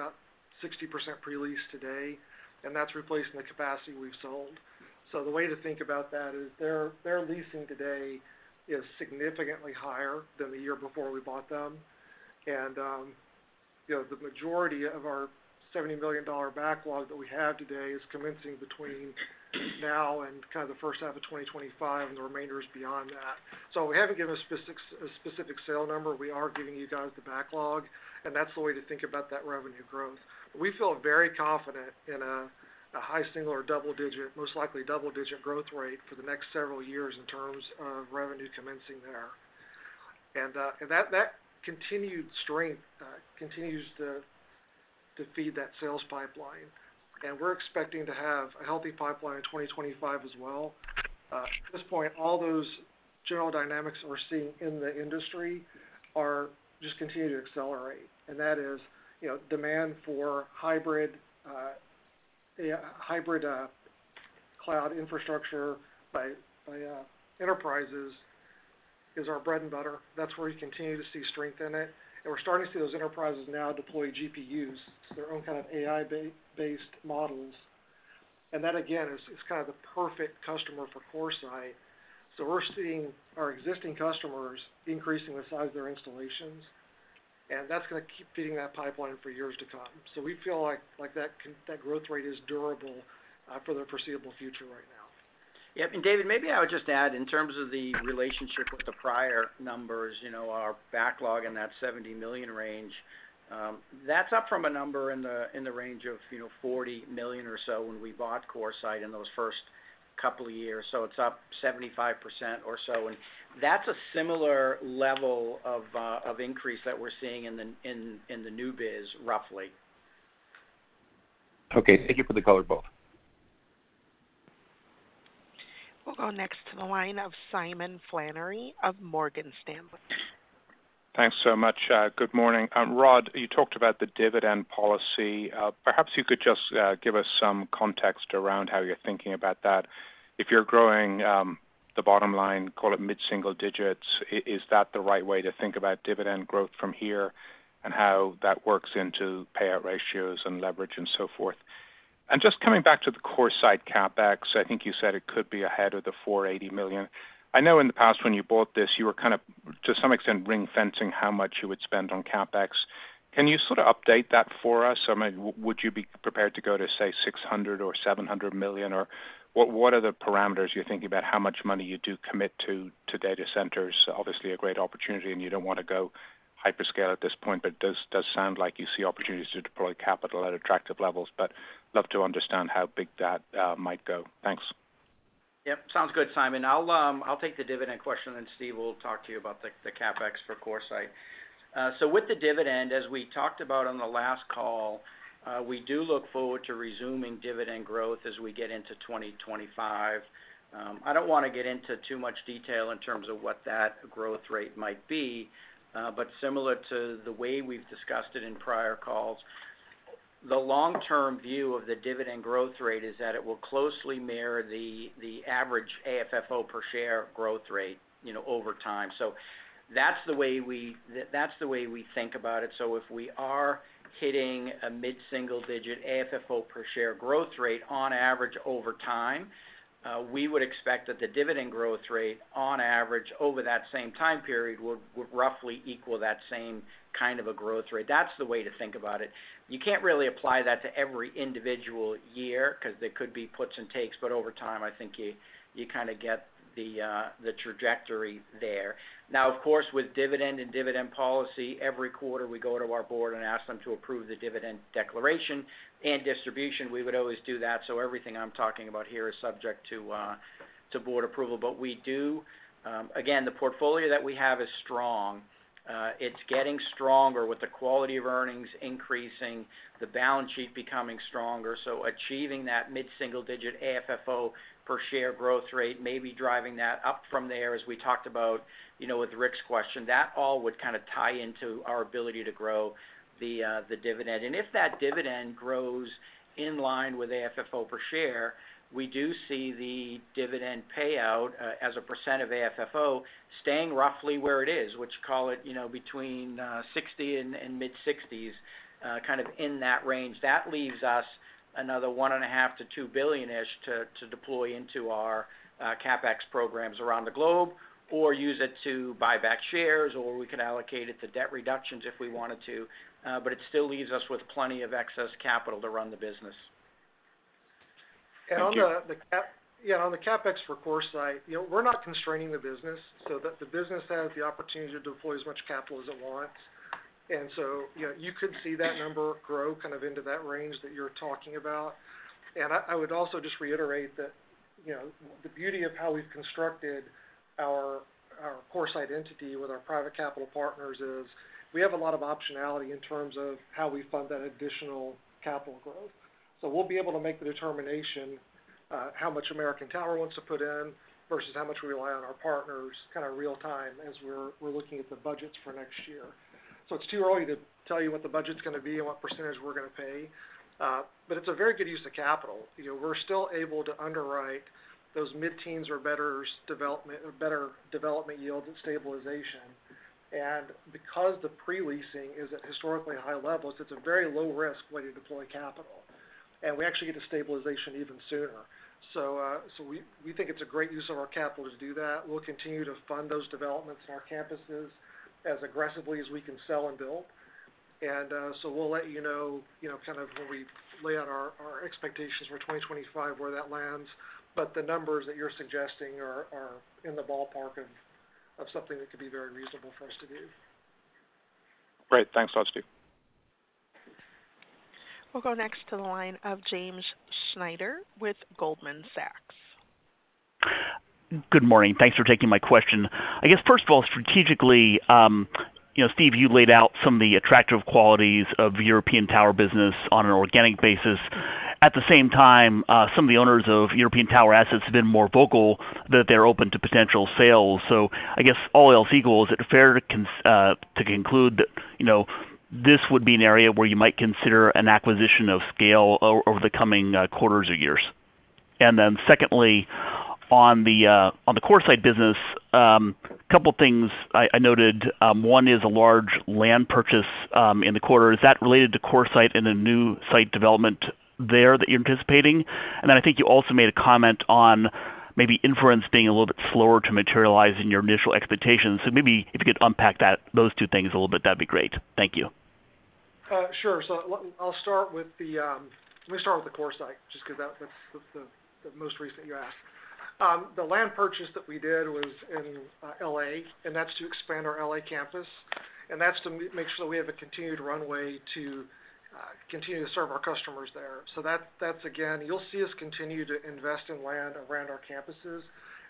about 60% pre-leased today, and that's replacing the capacity we've sold. So the way to think about that is their leasing today is significantly higher than the year before we bought them. And the majority of our $70 million backlog that we have today is commencing between now and kind of the first half of 2025, and the remainder is beyond that. So we haven't given a specific sale number. We are giving you guys the backlog, and that's the way to think about that revenue growth. We feel very confident in a high single- or double-digit, most likely double-digit growth rate for the next several years in terms of revenue commencing there, and that continued strength continues to feed that sales pipeline, and we're expecting to have a healthy pipeline in 2025 as well. At this point, all those general dynamics we're seeing in the industry just continue to accelerate, and that is demand for hybrid cloud infrastructure by enterprises is our bread and butter. That's where we continue to see strength in it, and we're starting to see those enterprises now deploy GPUs, their own kind of AI-based models. And that, again, is kind of the perfect customer for CoreSite. So we're seeing our existing customers increasing the size of their installations, and that's going to keep feeding that pipeline for years to come. So we feel like that growth rate is durable for the foreseeable future right now. Yep. And David, maybe I would just add, in terms of the relationship with the prior numbers, our backlog in that $70 million range, that's up from a number in the range of $40 million or so when we bought CoreSite in those first couple of years. So it's up 75% or so. And that's a similar level of increase that we're seeing in the new biz, roughly. Okay. Thank you for the color, both. We'll go next to the line of Simon Flannery of Morgan Stanley. Thanks so much. Good morning. Rod, you talked about the dividend policy. Perhaps you could just give us some context around how you're thinking about that. If you're growing the bottom line, call it mid-single digits, is that the right way to think about dividend growth from here and how that works into payout ratios and leverage and so forth? And just coming back to the CoreSite CapEx, I think you said it could be ahead of the $480 million. I know in the past when you bought this, you were kind of, to some extent, ring-fencing how much you would spend on CapEx. Can you sort of update that for us? I mean, would you be prepared to go to, say, $600 million or $700 million? Or what are the parameters you're thinking about, how much money you do commit to data centers? Obviously, a great opportunity, and you don't want to go hyperscale at this point, but it does sound like you see opportunities to deploy capital at attractive levels. But I'd love to understand how big that might go. Thanks. Yep. Sounds good, Simon. I'll take the dividend question, and then Steve will talk to you about the CapEx for CoreSite. So with the dividend, as we talked about on the last call, we do look forward to resuming dividend growth as we get into 2025. I don't want to get into too much detail in terms of what that growth rate might be, but similar to the way we've discussed it in prior calls, the long-term view of the dividend growth rate is that it will closely mirror the average AFFO per share growth rate over time. So that's the way we think about it. So if we are hitting a mid-single digit AFFO per share growth rate on average over time, we would expect that the dividend growth rate on average over that same time period would roughly equal that same kind of a growth rate. That's the way to think about it. You can't really apply that to every individual year because there could be puts and takes, but over time, I think you kind of get the trajectory there. Now, of course, with dividend and dividend policy, every quarter we go to our board and ask them to approve the dividend declaration and distribution. We would always do that. So everything I'm talking about here is subject to board approval, but we do. Again, the portfolio that we have is strong. It's getting stronger with the quality of earnings increasing, the balance sheet becoming stronger. So achieving that mid-single digit AFFO per share growth rate may be driving that up from there, as we talked about with Ric's question. That all would kind of tie into our ability to grow the dividend. And if that dividend grows in line with AFFO per share, we do see the dividend payout as a % of AFFO staying roughly where it is, which, call it, between 60% and mid-60s%, kind of in that range. That leaves us another $1.5 billion-$2 billion-ish to deploy into our CapEx programs around the globe or use it to buy back shares, or we could allocate it to debt reductions if we wanted to. But it still leaves us with plenty of excess capital to run the business. And on the CapEx for CoreSite, we're not constraining the business so that the business has the opportunity to deploy as much capital as it wants. And so you could see that number grow kind of into that range that you're talking about. And I would also just reiterate that the beauty of how we've constructed our CoreSite entity with our private capital partners is we have a lot of optionality in terms of how we fund that additional capital growth. So we'll be able to make the determination how much American Tower wants to put in versus how much we rely on our partners kind of real-time as we're looking at the budgets for next year. So it's too early to tell you what the budget's going to be and what percentage we're going to pay. But it's a very good use of capital. We're still able to underwrite those mid-teens or better development yields at stabilization. And because the pre-leasing is at historically high levels, it's a very low-risk way to deploy capital. And we actually get to stabilization even sooner. So we think it's a great use of our capital to do that. We'll continue to fund those developments in our campuses as aggressively as we can sell and build. And so we'll let you know kind of when we lay out our expectations for 2025, where that lands. But the numbers that you're suggesting are in the ballpark of something that could be very reasonable for us to do. Great. Thanks a lot, Steve. We'll go next to the line of James Schneider with Goldman Sachs. Good morning. Thanks for taking my question. I guess, first of all, strategically, Steve, you laid out some of the attractive qualities of the European Tower business on an organic basis. At the same time, some of the owners of European Tower assets have been more vocal that they're open to potential sales. So I guess all else equal, is it fair to conclude that this would be an area where you might consider an acquisition of scale over the coming quarters or years? And then secondly, on the CoreSite business, a couple of things I noted. One is a large land purchase in the quarter. Is that related to CoreSite and the new site development there that you're anticipating? And then I think you also made a comment on maybe inference being a little bit slower to materialize than your initial expectations. So maybe if you could unpack those two things a little bit, that'd be great. Thank you. Sure. So I'll start with CoreSite just because that's the most recent you asked. The land purchase that we did was in LA, and that's to expand our LA campus. And that's to make sure that we have a continued runway to continue to serve our customers there. So that's, again, you'll see us continue to invest in land around our campuses.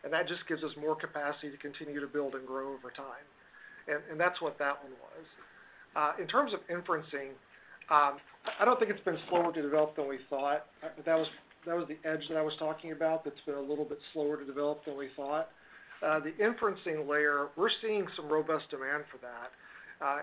And that just gives us more capacity to continue to build and grow over time. And that's what that one was. In terms of inferencing, I don't think it's been slower to develop than we thought. That was the edge that I was talking about that's been a little bit slower to develop than we thought. The inferencing layer, we're seeing some robust demand for that.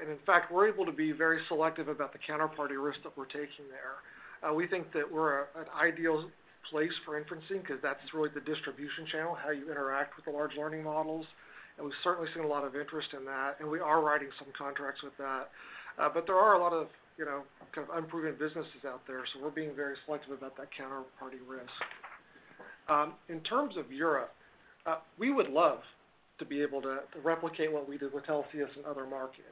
And in fact, we're able to be very selective about the counterparty risk that we're taking there. We think that we're an ideal place for inferencing because that's really the distribution channel, how you interact with the large learning models. And we've certainly seen a lot of interest in that. And we are writing some contracts with that. But there are a lot of kind of unproven businesses out there. So we're being very selective about that counterparty risk. In terms of Europe, we would love to be able to replicate what we did with Telxius and other markets.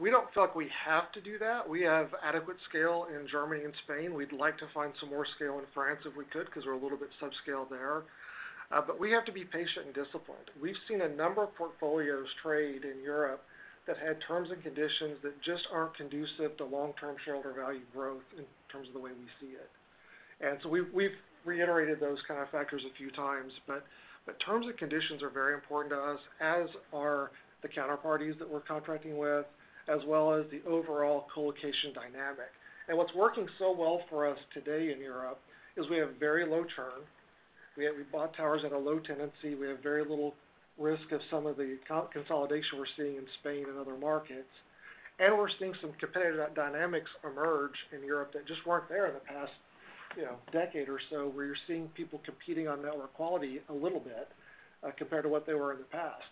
We don't feel like we have to do that. We have adequate scale in Germany and Spain. We'd like to find some more scale in France if we could because we're a little bit subscale there. But we have to be patient and disciplined. We've seen a number of portfolios trade in Europe that had terms and conditions that just aren't conducive to long-term shareholder value growth in terms of the way we see it. And so we've reiterated those kind of factors a few times. But terms and conditions are very important to us, as are the counterparties that we're contracting with, as well as the overall colocation dynamic. And what's working so well for us today in Europe is we have very low churn. We bought towers at a low tenancy. We have very little risk of some of the consolidation we're seeing in Spain and other markets. We're seeing some competitive dynamics emerge in Europe that just weren't there in the past decade or so, where you're seeing people competing on network quality a little bit compared to what they were in the past.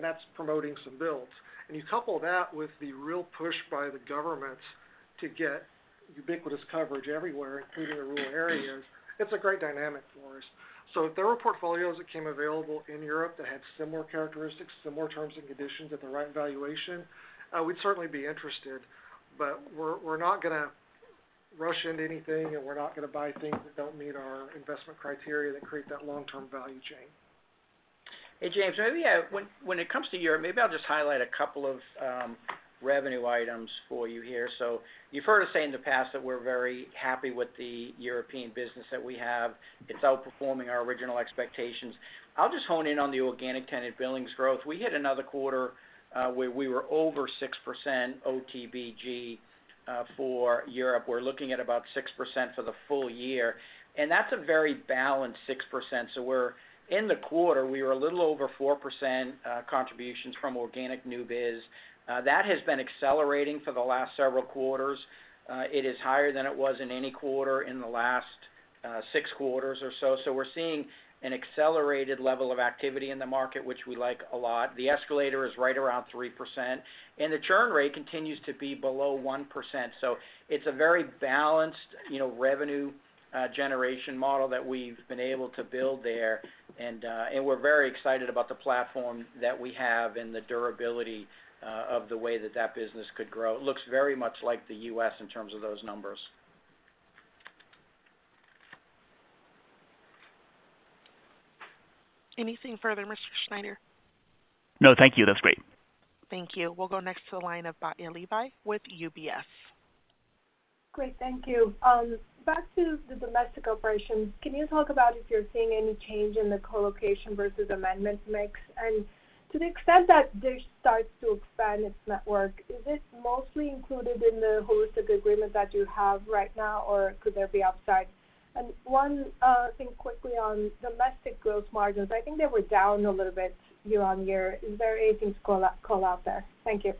That's promoting some builds. You couple that with the real push by the governments to get ubiquitous coverage everywhere, including the rural areas. It's a great dynamic for us. If there were portfolios that came available in Europe that had similar characteristics, similar terms and conditions at the right valuation, we'd certainly be interested. We're not going to rush into anything, and we're not going to buy things that don't meet our investment criteria that create that long-term value chain. Hey, James, maybe when it comes to Europe, maybe I'll just highlight a couple of revenue items for you here. So you've heard us say in the past that we're very happy with the European business that we have. It's outperforming our original expectations. I'll just hone in on the organic tenant billings growth. We hit another quarter where we were over 6% OTBG for Europe. We're looking at about 6% for the full year. And that's a very balanced 6%. So in the quarter, we were a little over 4% contributions from organic new biz. That has been accelerating for the last several quarters. It is higher than it was in any quarter in the last six quarters or so. So we're seeing an accelerated level of activity in the market, which we like a lot. The escalator is right around 3%. And the churn rate continues to be below 1%. So it's a very balanced revenue generation model that we've been able to build there. And we're very excited about the platform that we have and the durability of the way that that business could grow. It looks very much like the U.S. in terms of those numbers. Anything further, Mr. Schneider? No, thank you. That's great. Thank you. We'll go next to the line of Batya Levi with UBS. Great. Thank you. Back to the domestic operations, can you talk about if you're seeing any change in the colocation versus amendment mix? And to the extent that this starts to expand its network, is it mostly included in the holistic agreement that you have right now, or could there be upside? And one thing quickly on domestic gross margins. I think they were down a little bit year on year. Is there anything to call out there? Thank you.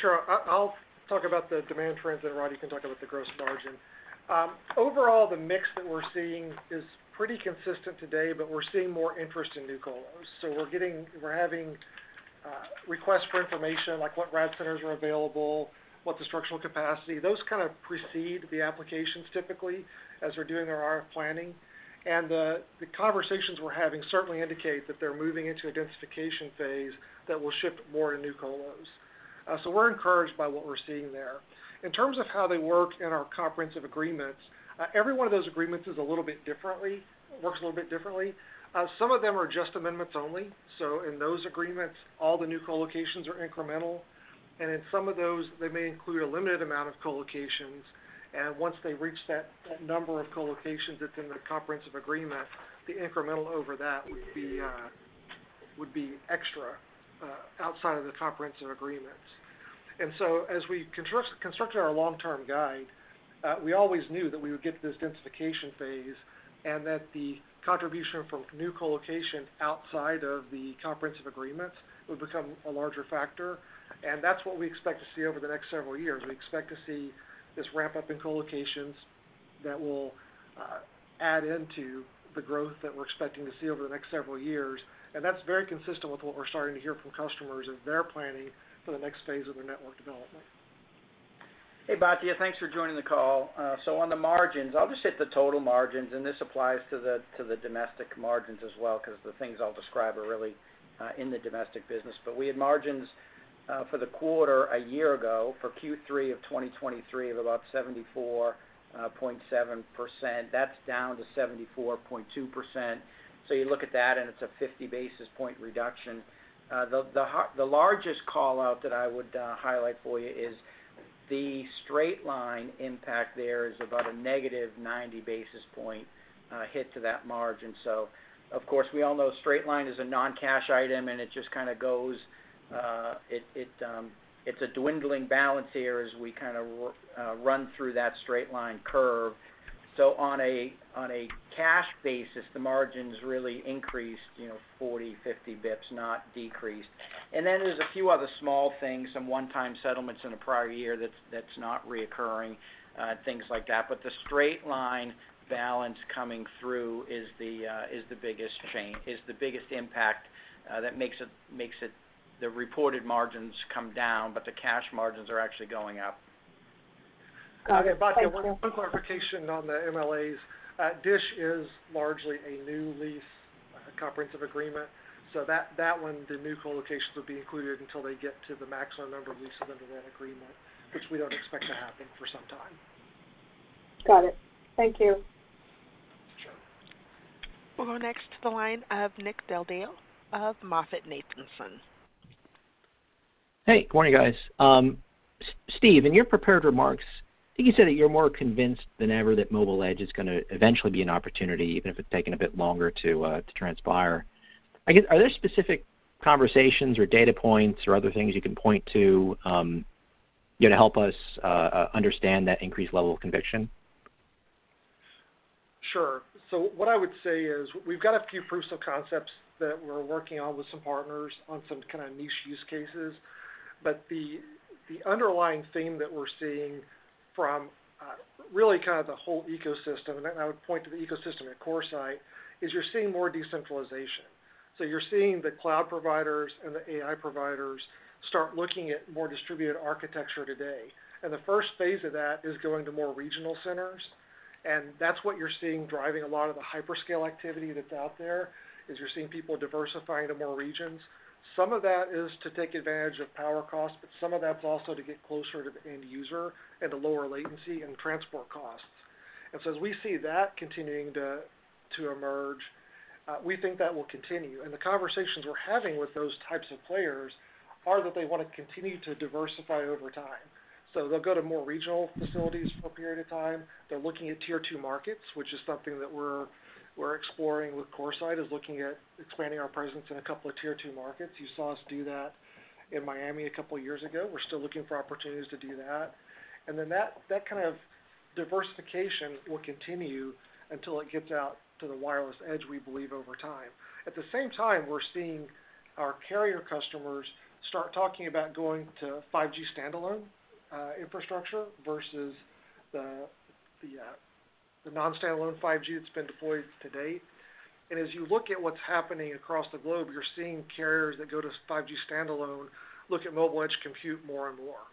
Sure. I'll talk about the demand trends and Rod, you can talk about the gross margin. Overall, the mix that we're seeing is pretty consistent today, but we're seeing more interest in new colos. We're having requests for information like what rad centers are available, what the structural capacity. Those kind of precede the applications typically as they're doing their RF planning. The conversations we're having certainly indicate that they're moving into a densification phase that will shift more to new colos. We're encouraged by what we're seeing there. In terms of how they work in our comprehensive agreements, every one of those agreements is a little bit differently, works a little bit differently. Some of them are just amendments only. In those agreements, all the new colocations are incremental. In some of those, they may include a limited amount of colocations. And once they reach that number of colocations that's in the comprehensive agreement, the incremental over that would be extra outside of the comprehensive agreements. And so as we constructed our long-term guide, we always knew that we would get to this densification phase and that the contribution from new colocation outside of the comprehensive agreements would become a larger factor. And that's what we expect to see over the next several years. We expect to see this ramp-up in colocations that will add into the growth that we're expecting to see over the next several years. And that's very consistent with what we're starting to hear from customers as they're planning for the next phase of their network development. Hey, Batya, thanks for joining the call. So on the margins, I'll just hit the total margins. This applies to the domestic margins as well because the things I'll describe are really in the domestic business. We had margins for the quarter a year ago for Q3 of 2023 of about 74.7%. That's down to 74.2%. You look at that, and it's a 50-basis point reduction. The largest callout that I would highlight for you is the straight-line impact there is about a negative 90 basis point hit to that margin. Of course, we all know straight line is a non-cash item, and it just kind of goes it's a dwindling balance here as we kind of run through that straight line curve. On a cash basis, the margins really increased 40, 50 basis points, not decreased. Then there's a few other small things, some one-time settlements in a prior year that's not recurring, things like that. But the straight line balance coming through is the biggest impact that makes the reported margins come down, but the cash margins are actually going up. Got it. One clarification on the MLAs. DISH is largely a new lease comprehensive agreement. So that one, the new colocations would be included until they get to the maximum number of leases under that agreement, which we don't expect to happen for some time. Got it. Thank you. Sure. We'll go next to the line of Nick Del Deo of MoffettNathanson. Hey, good morning, guys. Steve, in your prepared remarks, I think you said that you're more convinced than ever that mobile edge is going to eventually be an opportunity, even if it's taken a bit longer to transpire. I guess, are there specific conversations or data points or other things you can point to to help us understand that increased level of conviction? Sure. So what I would say is we've got a few proofs of concepts that we're working on with some partners on some kind of niche use cases. But the underlying theme that we're seeing from really kind of the whole ecosystem, and I would point to the ecosystem at CoreSite, is you're seeing more decentralization. So you're seeing the cloud providers and the AI providers start looking at more distributed architecture today. And the first phase of that is going to more regional centers. And that's what you're seeing driving a lot of the hyperscale activity that's out there, is you're seeing people diversifying to more regions. Some of that is to take advantage of power costs, but some of that's also to get closer to the end user and the lower latency and transport costs, and so as we see that continuing to emerge, we think that will continue, and the conversations we're having with those types of players are that they want to continue to diversify over time, so they'll go to more regional facilities for a period of time. They're looking at tier two markets, which is something that we're exploring with CoreSite, is looking at expanding our presence in a couple of tier two markets. You saw us do that in Miami a couple of years ago. We're still looking for opportunities to do that, and then that kind of diversification will continue until it gets out to the wireless edge, we believe, over time. At the same time, we're seeing our carrier customers start talking about going to 5G standalone infrastructure versus the non-standalone 5G that's been deployed to date, and as you look at what's happening across the globe, you're seeing carriers that go to 5G standalone look at mobile edge compute more and more,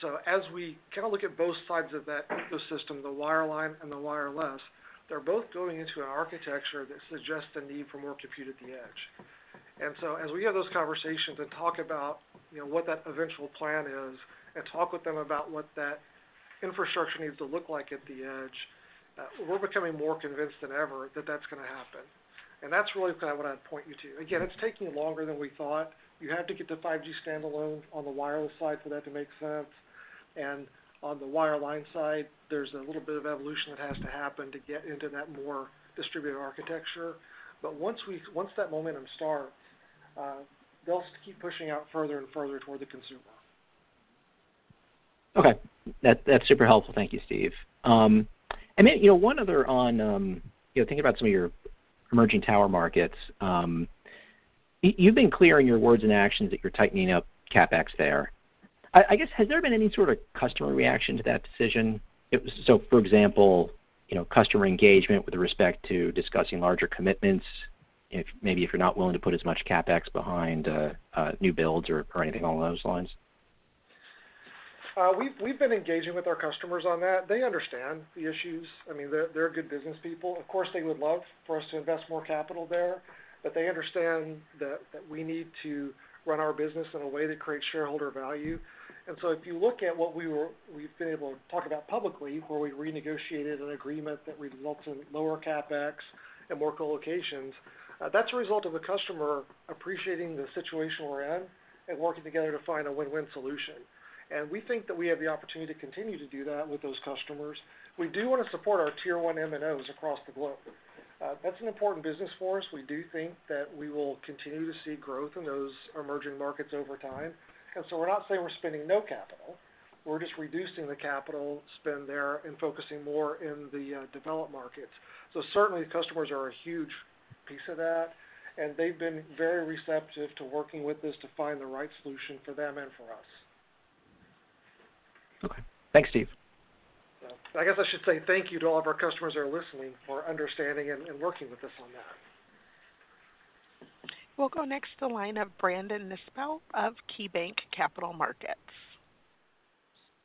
so as we kind of look at both sides of that ecosystem, the wireline and the wireless, they're both going into an architecture that suggests the need for more compute at the edge, and so as we have those conversations and talk about what that eventual plan is and talk with them about what that infrastructure needs to look like at the edge, we're becoming more convinced than ever that that's going to happen, and that's really kind of what I'd point you to. Again, it's taking longer than we thought. You have to get to 5G standalone on the wireless side for that to make sense. And on the wireline side, there's a little bit of evolution that has to happen to get into that more distributed architecture. But once that momentum starts, they'll keep pushing out further and further toward the consumer. Okay. That's super helpful. Thank you, Steve. And then one other on thinking about some of your emerging tower markets. You've been clear in your words and actions that you're tightening up CapEx there. I guess, has there been any sort of customer reaction to that decision? So, for example, customer engagement with respect to discussing larger commitments, maybe if you're not willing to put as much CapEx behind new builds or anything along those lines? We've been engaging with our customers on that. They understand the issues. I mean, they're good business people. Of course, they would love for us to invest more capital there, but they understand that we need to run our business in a way that creates shareholder value. And so if you look at what we've been able to talk about publicly, where we renegotiated an agreement that results in lower CapEx and more colocations, that's a result of a customer appreciating the situation we're in and working together to find a win-win solution. And we think that we have the opportunity to continue to do that with those customers. We do want to support our tier one MNOs across the globe. That's an important business for us. We do think that we will continue to see growth in those emerging markets over time. And so we're not saying we're spending no capital. We're just reducing the capital spend there and focusing more in the developed markets. So certainly, customers are a huge piece of that. And they've been very receptive to working with us to find the right solution for them and for us. Okay. Thanks, Steve. I guess I should say thank you to all of our customers that are listening for understanding and working with us on that. We'll go next to the line of Brandon Nispel of KeyBanc Capital Markets.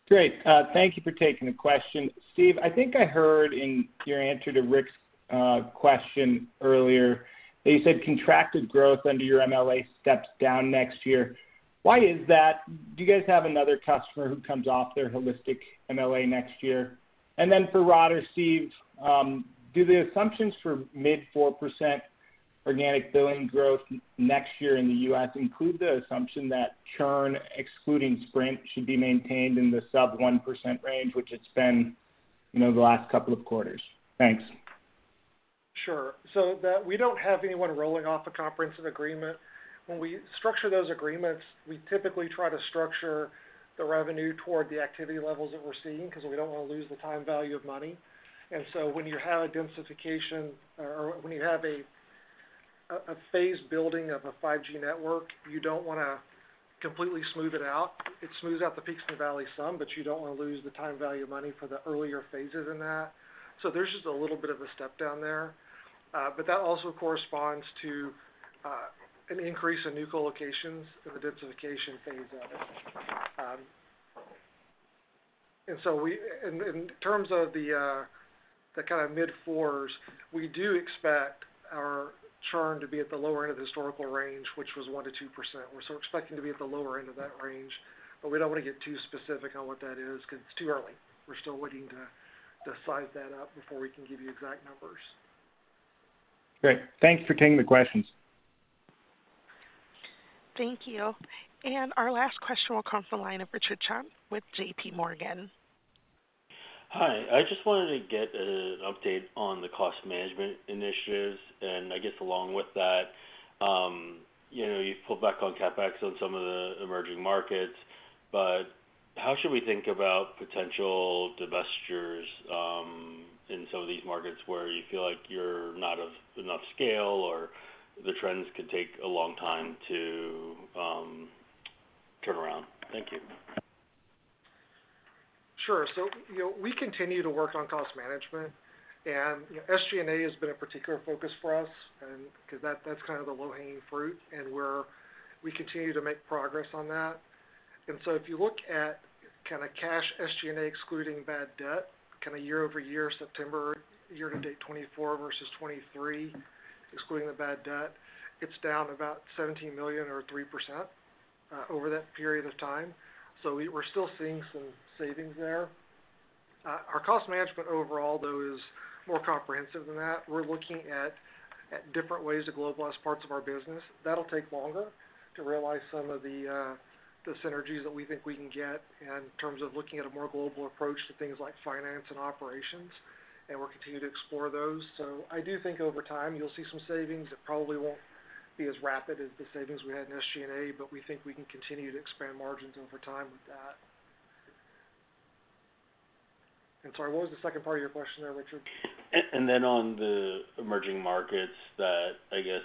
Great. Thank you for taking the question. Steve, I think I heard in your answer to Ric's question earlier that you said contracted growth under your MLA steps down next year. Why is that? Do you guys have another customer who comes off their holistic MLA next year? And then for Rod or Steve, do the assumptions for mid-4% organic billing growth next year in the U.S. include the assumption that churn, excluding Sprint, should be maintained in the sub-1% range, which it's been the last couple of quarters? Thanks. Sure. So we don't have anyone rolling off a comprehensive agreement. When we structure those agreements, we typically try to structure the revenue toward the activity levels that we're seeing because we don't want to lose the time value of money. And so when you have a densification or when you have a phase building of a 5G network, you don't want to completely smooth it out. It smooths out the peaks and the valleys some, but you don't want to lose the time value of money for the earlier phases in that. So there's just a little bit of a step down there. But that also corresponds to an increase in new colocations in the densification phase of it. And so in terms of the kind of mid 4s, we do expect our churn to be at the lower end of the historical range, which was 1%-2%. We're still expecting to be at the lower end of that range. But we don't want to get too specific on what that is because it's too early. We're still waiting to size that up before we can give you exact numbers. Great. Thank you for taking the questions. Thank you. And our last question will come from the line of Richard Choe with JPMorgan. Hi. I just wanted to get an update on the cost management initiatives. And I guess along with that, you've pulled back on CapEx on some of the emerging markets. But how should we think about potential divestitures in some of these markets where you feel like you're not of enough scale or the trends could take a long time to turn around? Thank you. Sure. So we continue to work on cost management. And SG&A has been a particular focus for us because that's kind of the low-hanging fruit. And we continue to make progress on that. And so if you look at kind of cash SG&A excluding bad debt, kind of year over year, September, year-to-date 2024 versus 2023, excluding the bad debt, it's down about $17 million or 3% over that period of time. So we're still seeing some savings there. Our cost management overall, though, is more comprehensive than that. We're looking at different ways to globalize parts of our business. That'll take longer to realize some of the synergies that we think we can get in terms of looking at a more global approach to things like finance and operations. And we're continuing to explore those. So I do think over time, you'll see some savings. It probably won't be as rapid as the savings we had in SG&A, but we think we can continue to expand margins over time with that. And sorry, what was the second part of your question there, Richard? And then on the emerging markets that, I guess,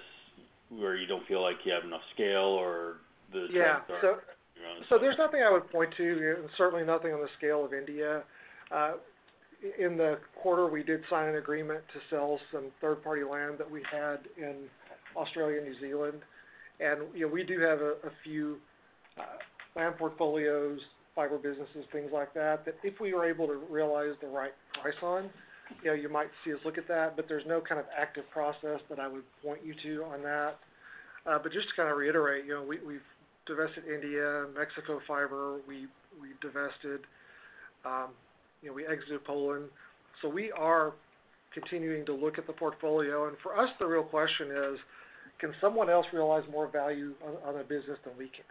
where you don't feel like you have enough scale or the trends are? Yeah. So there's nothing I would point to, and certainly nothing on the scale of India. In the quarter, we did sign an agreement to sell some third-party land that we had in Australia and New Zealand. And we do have a few land portfolios, fiber businesses, things like that, that if we were able to realize the right price on, you might see us look at that. But there's no kind of active process that I would point you to on that. But just to kind of reiterate, we've divested India, Mexico fiber. We divested. We exited Poland. So we are continuing to look at the portfolio. And for us, the real question is, can someone else realize more value on a business than we can?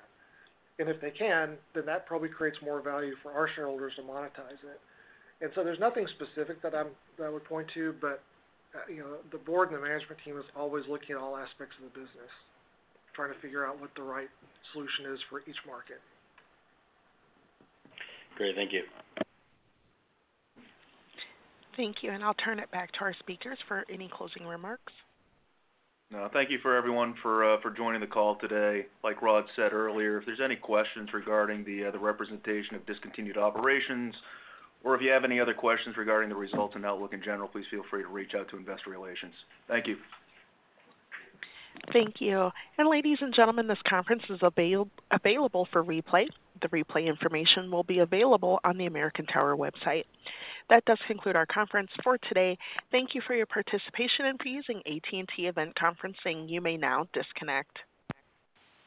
And if they can, then that probably creates more value for our shareholders to monetize it. And so there's nothing specific that I would point to, but the board and the management team is always looking at all aspects of the business, trying to figure out what the right solution is for each market. Great. Thank you. Thank you. And I'll turn it back to our speakers for any closing remarks. Thank you for everyone for joining the call today. Like Rod said earlier, if there's any questions regarding the representation of discontinued operations, or if you have any other questions regarding the results and outlook in general, please feel free to reach out to investor relations. Thank you. Thank you. And ladies and gentlemen, this conference is available for replay. The replay information will be available on the American Tower website. That does conclude our conference for today. Thank you for your participation. And for using AT&T Event Conferencing, you may now disconnect.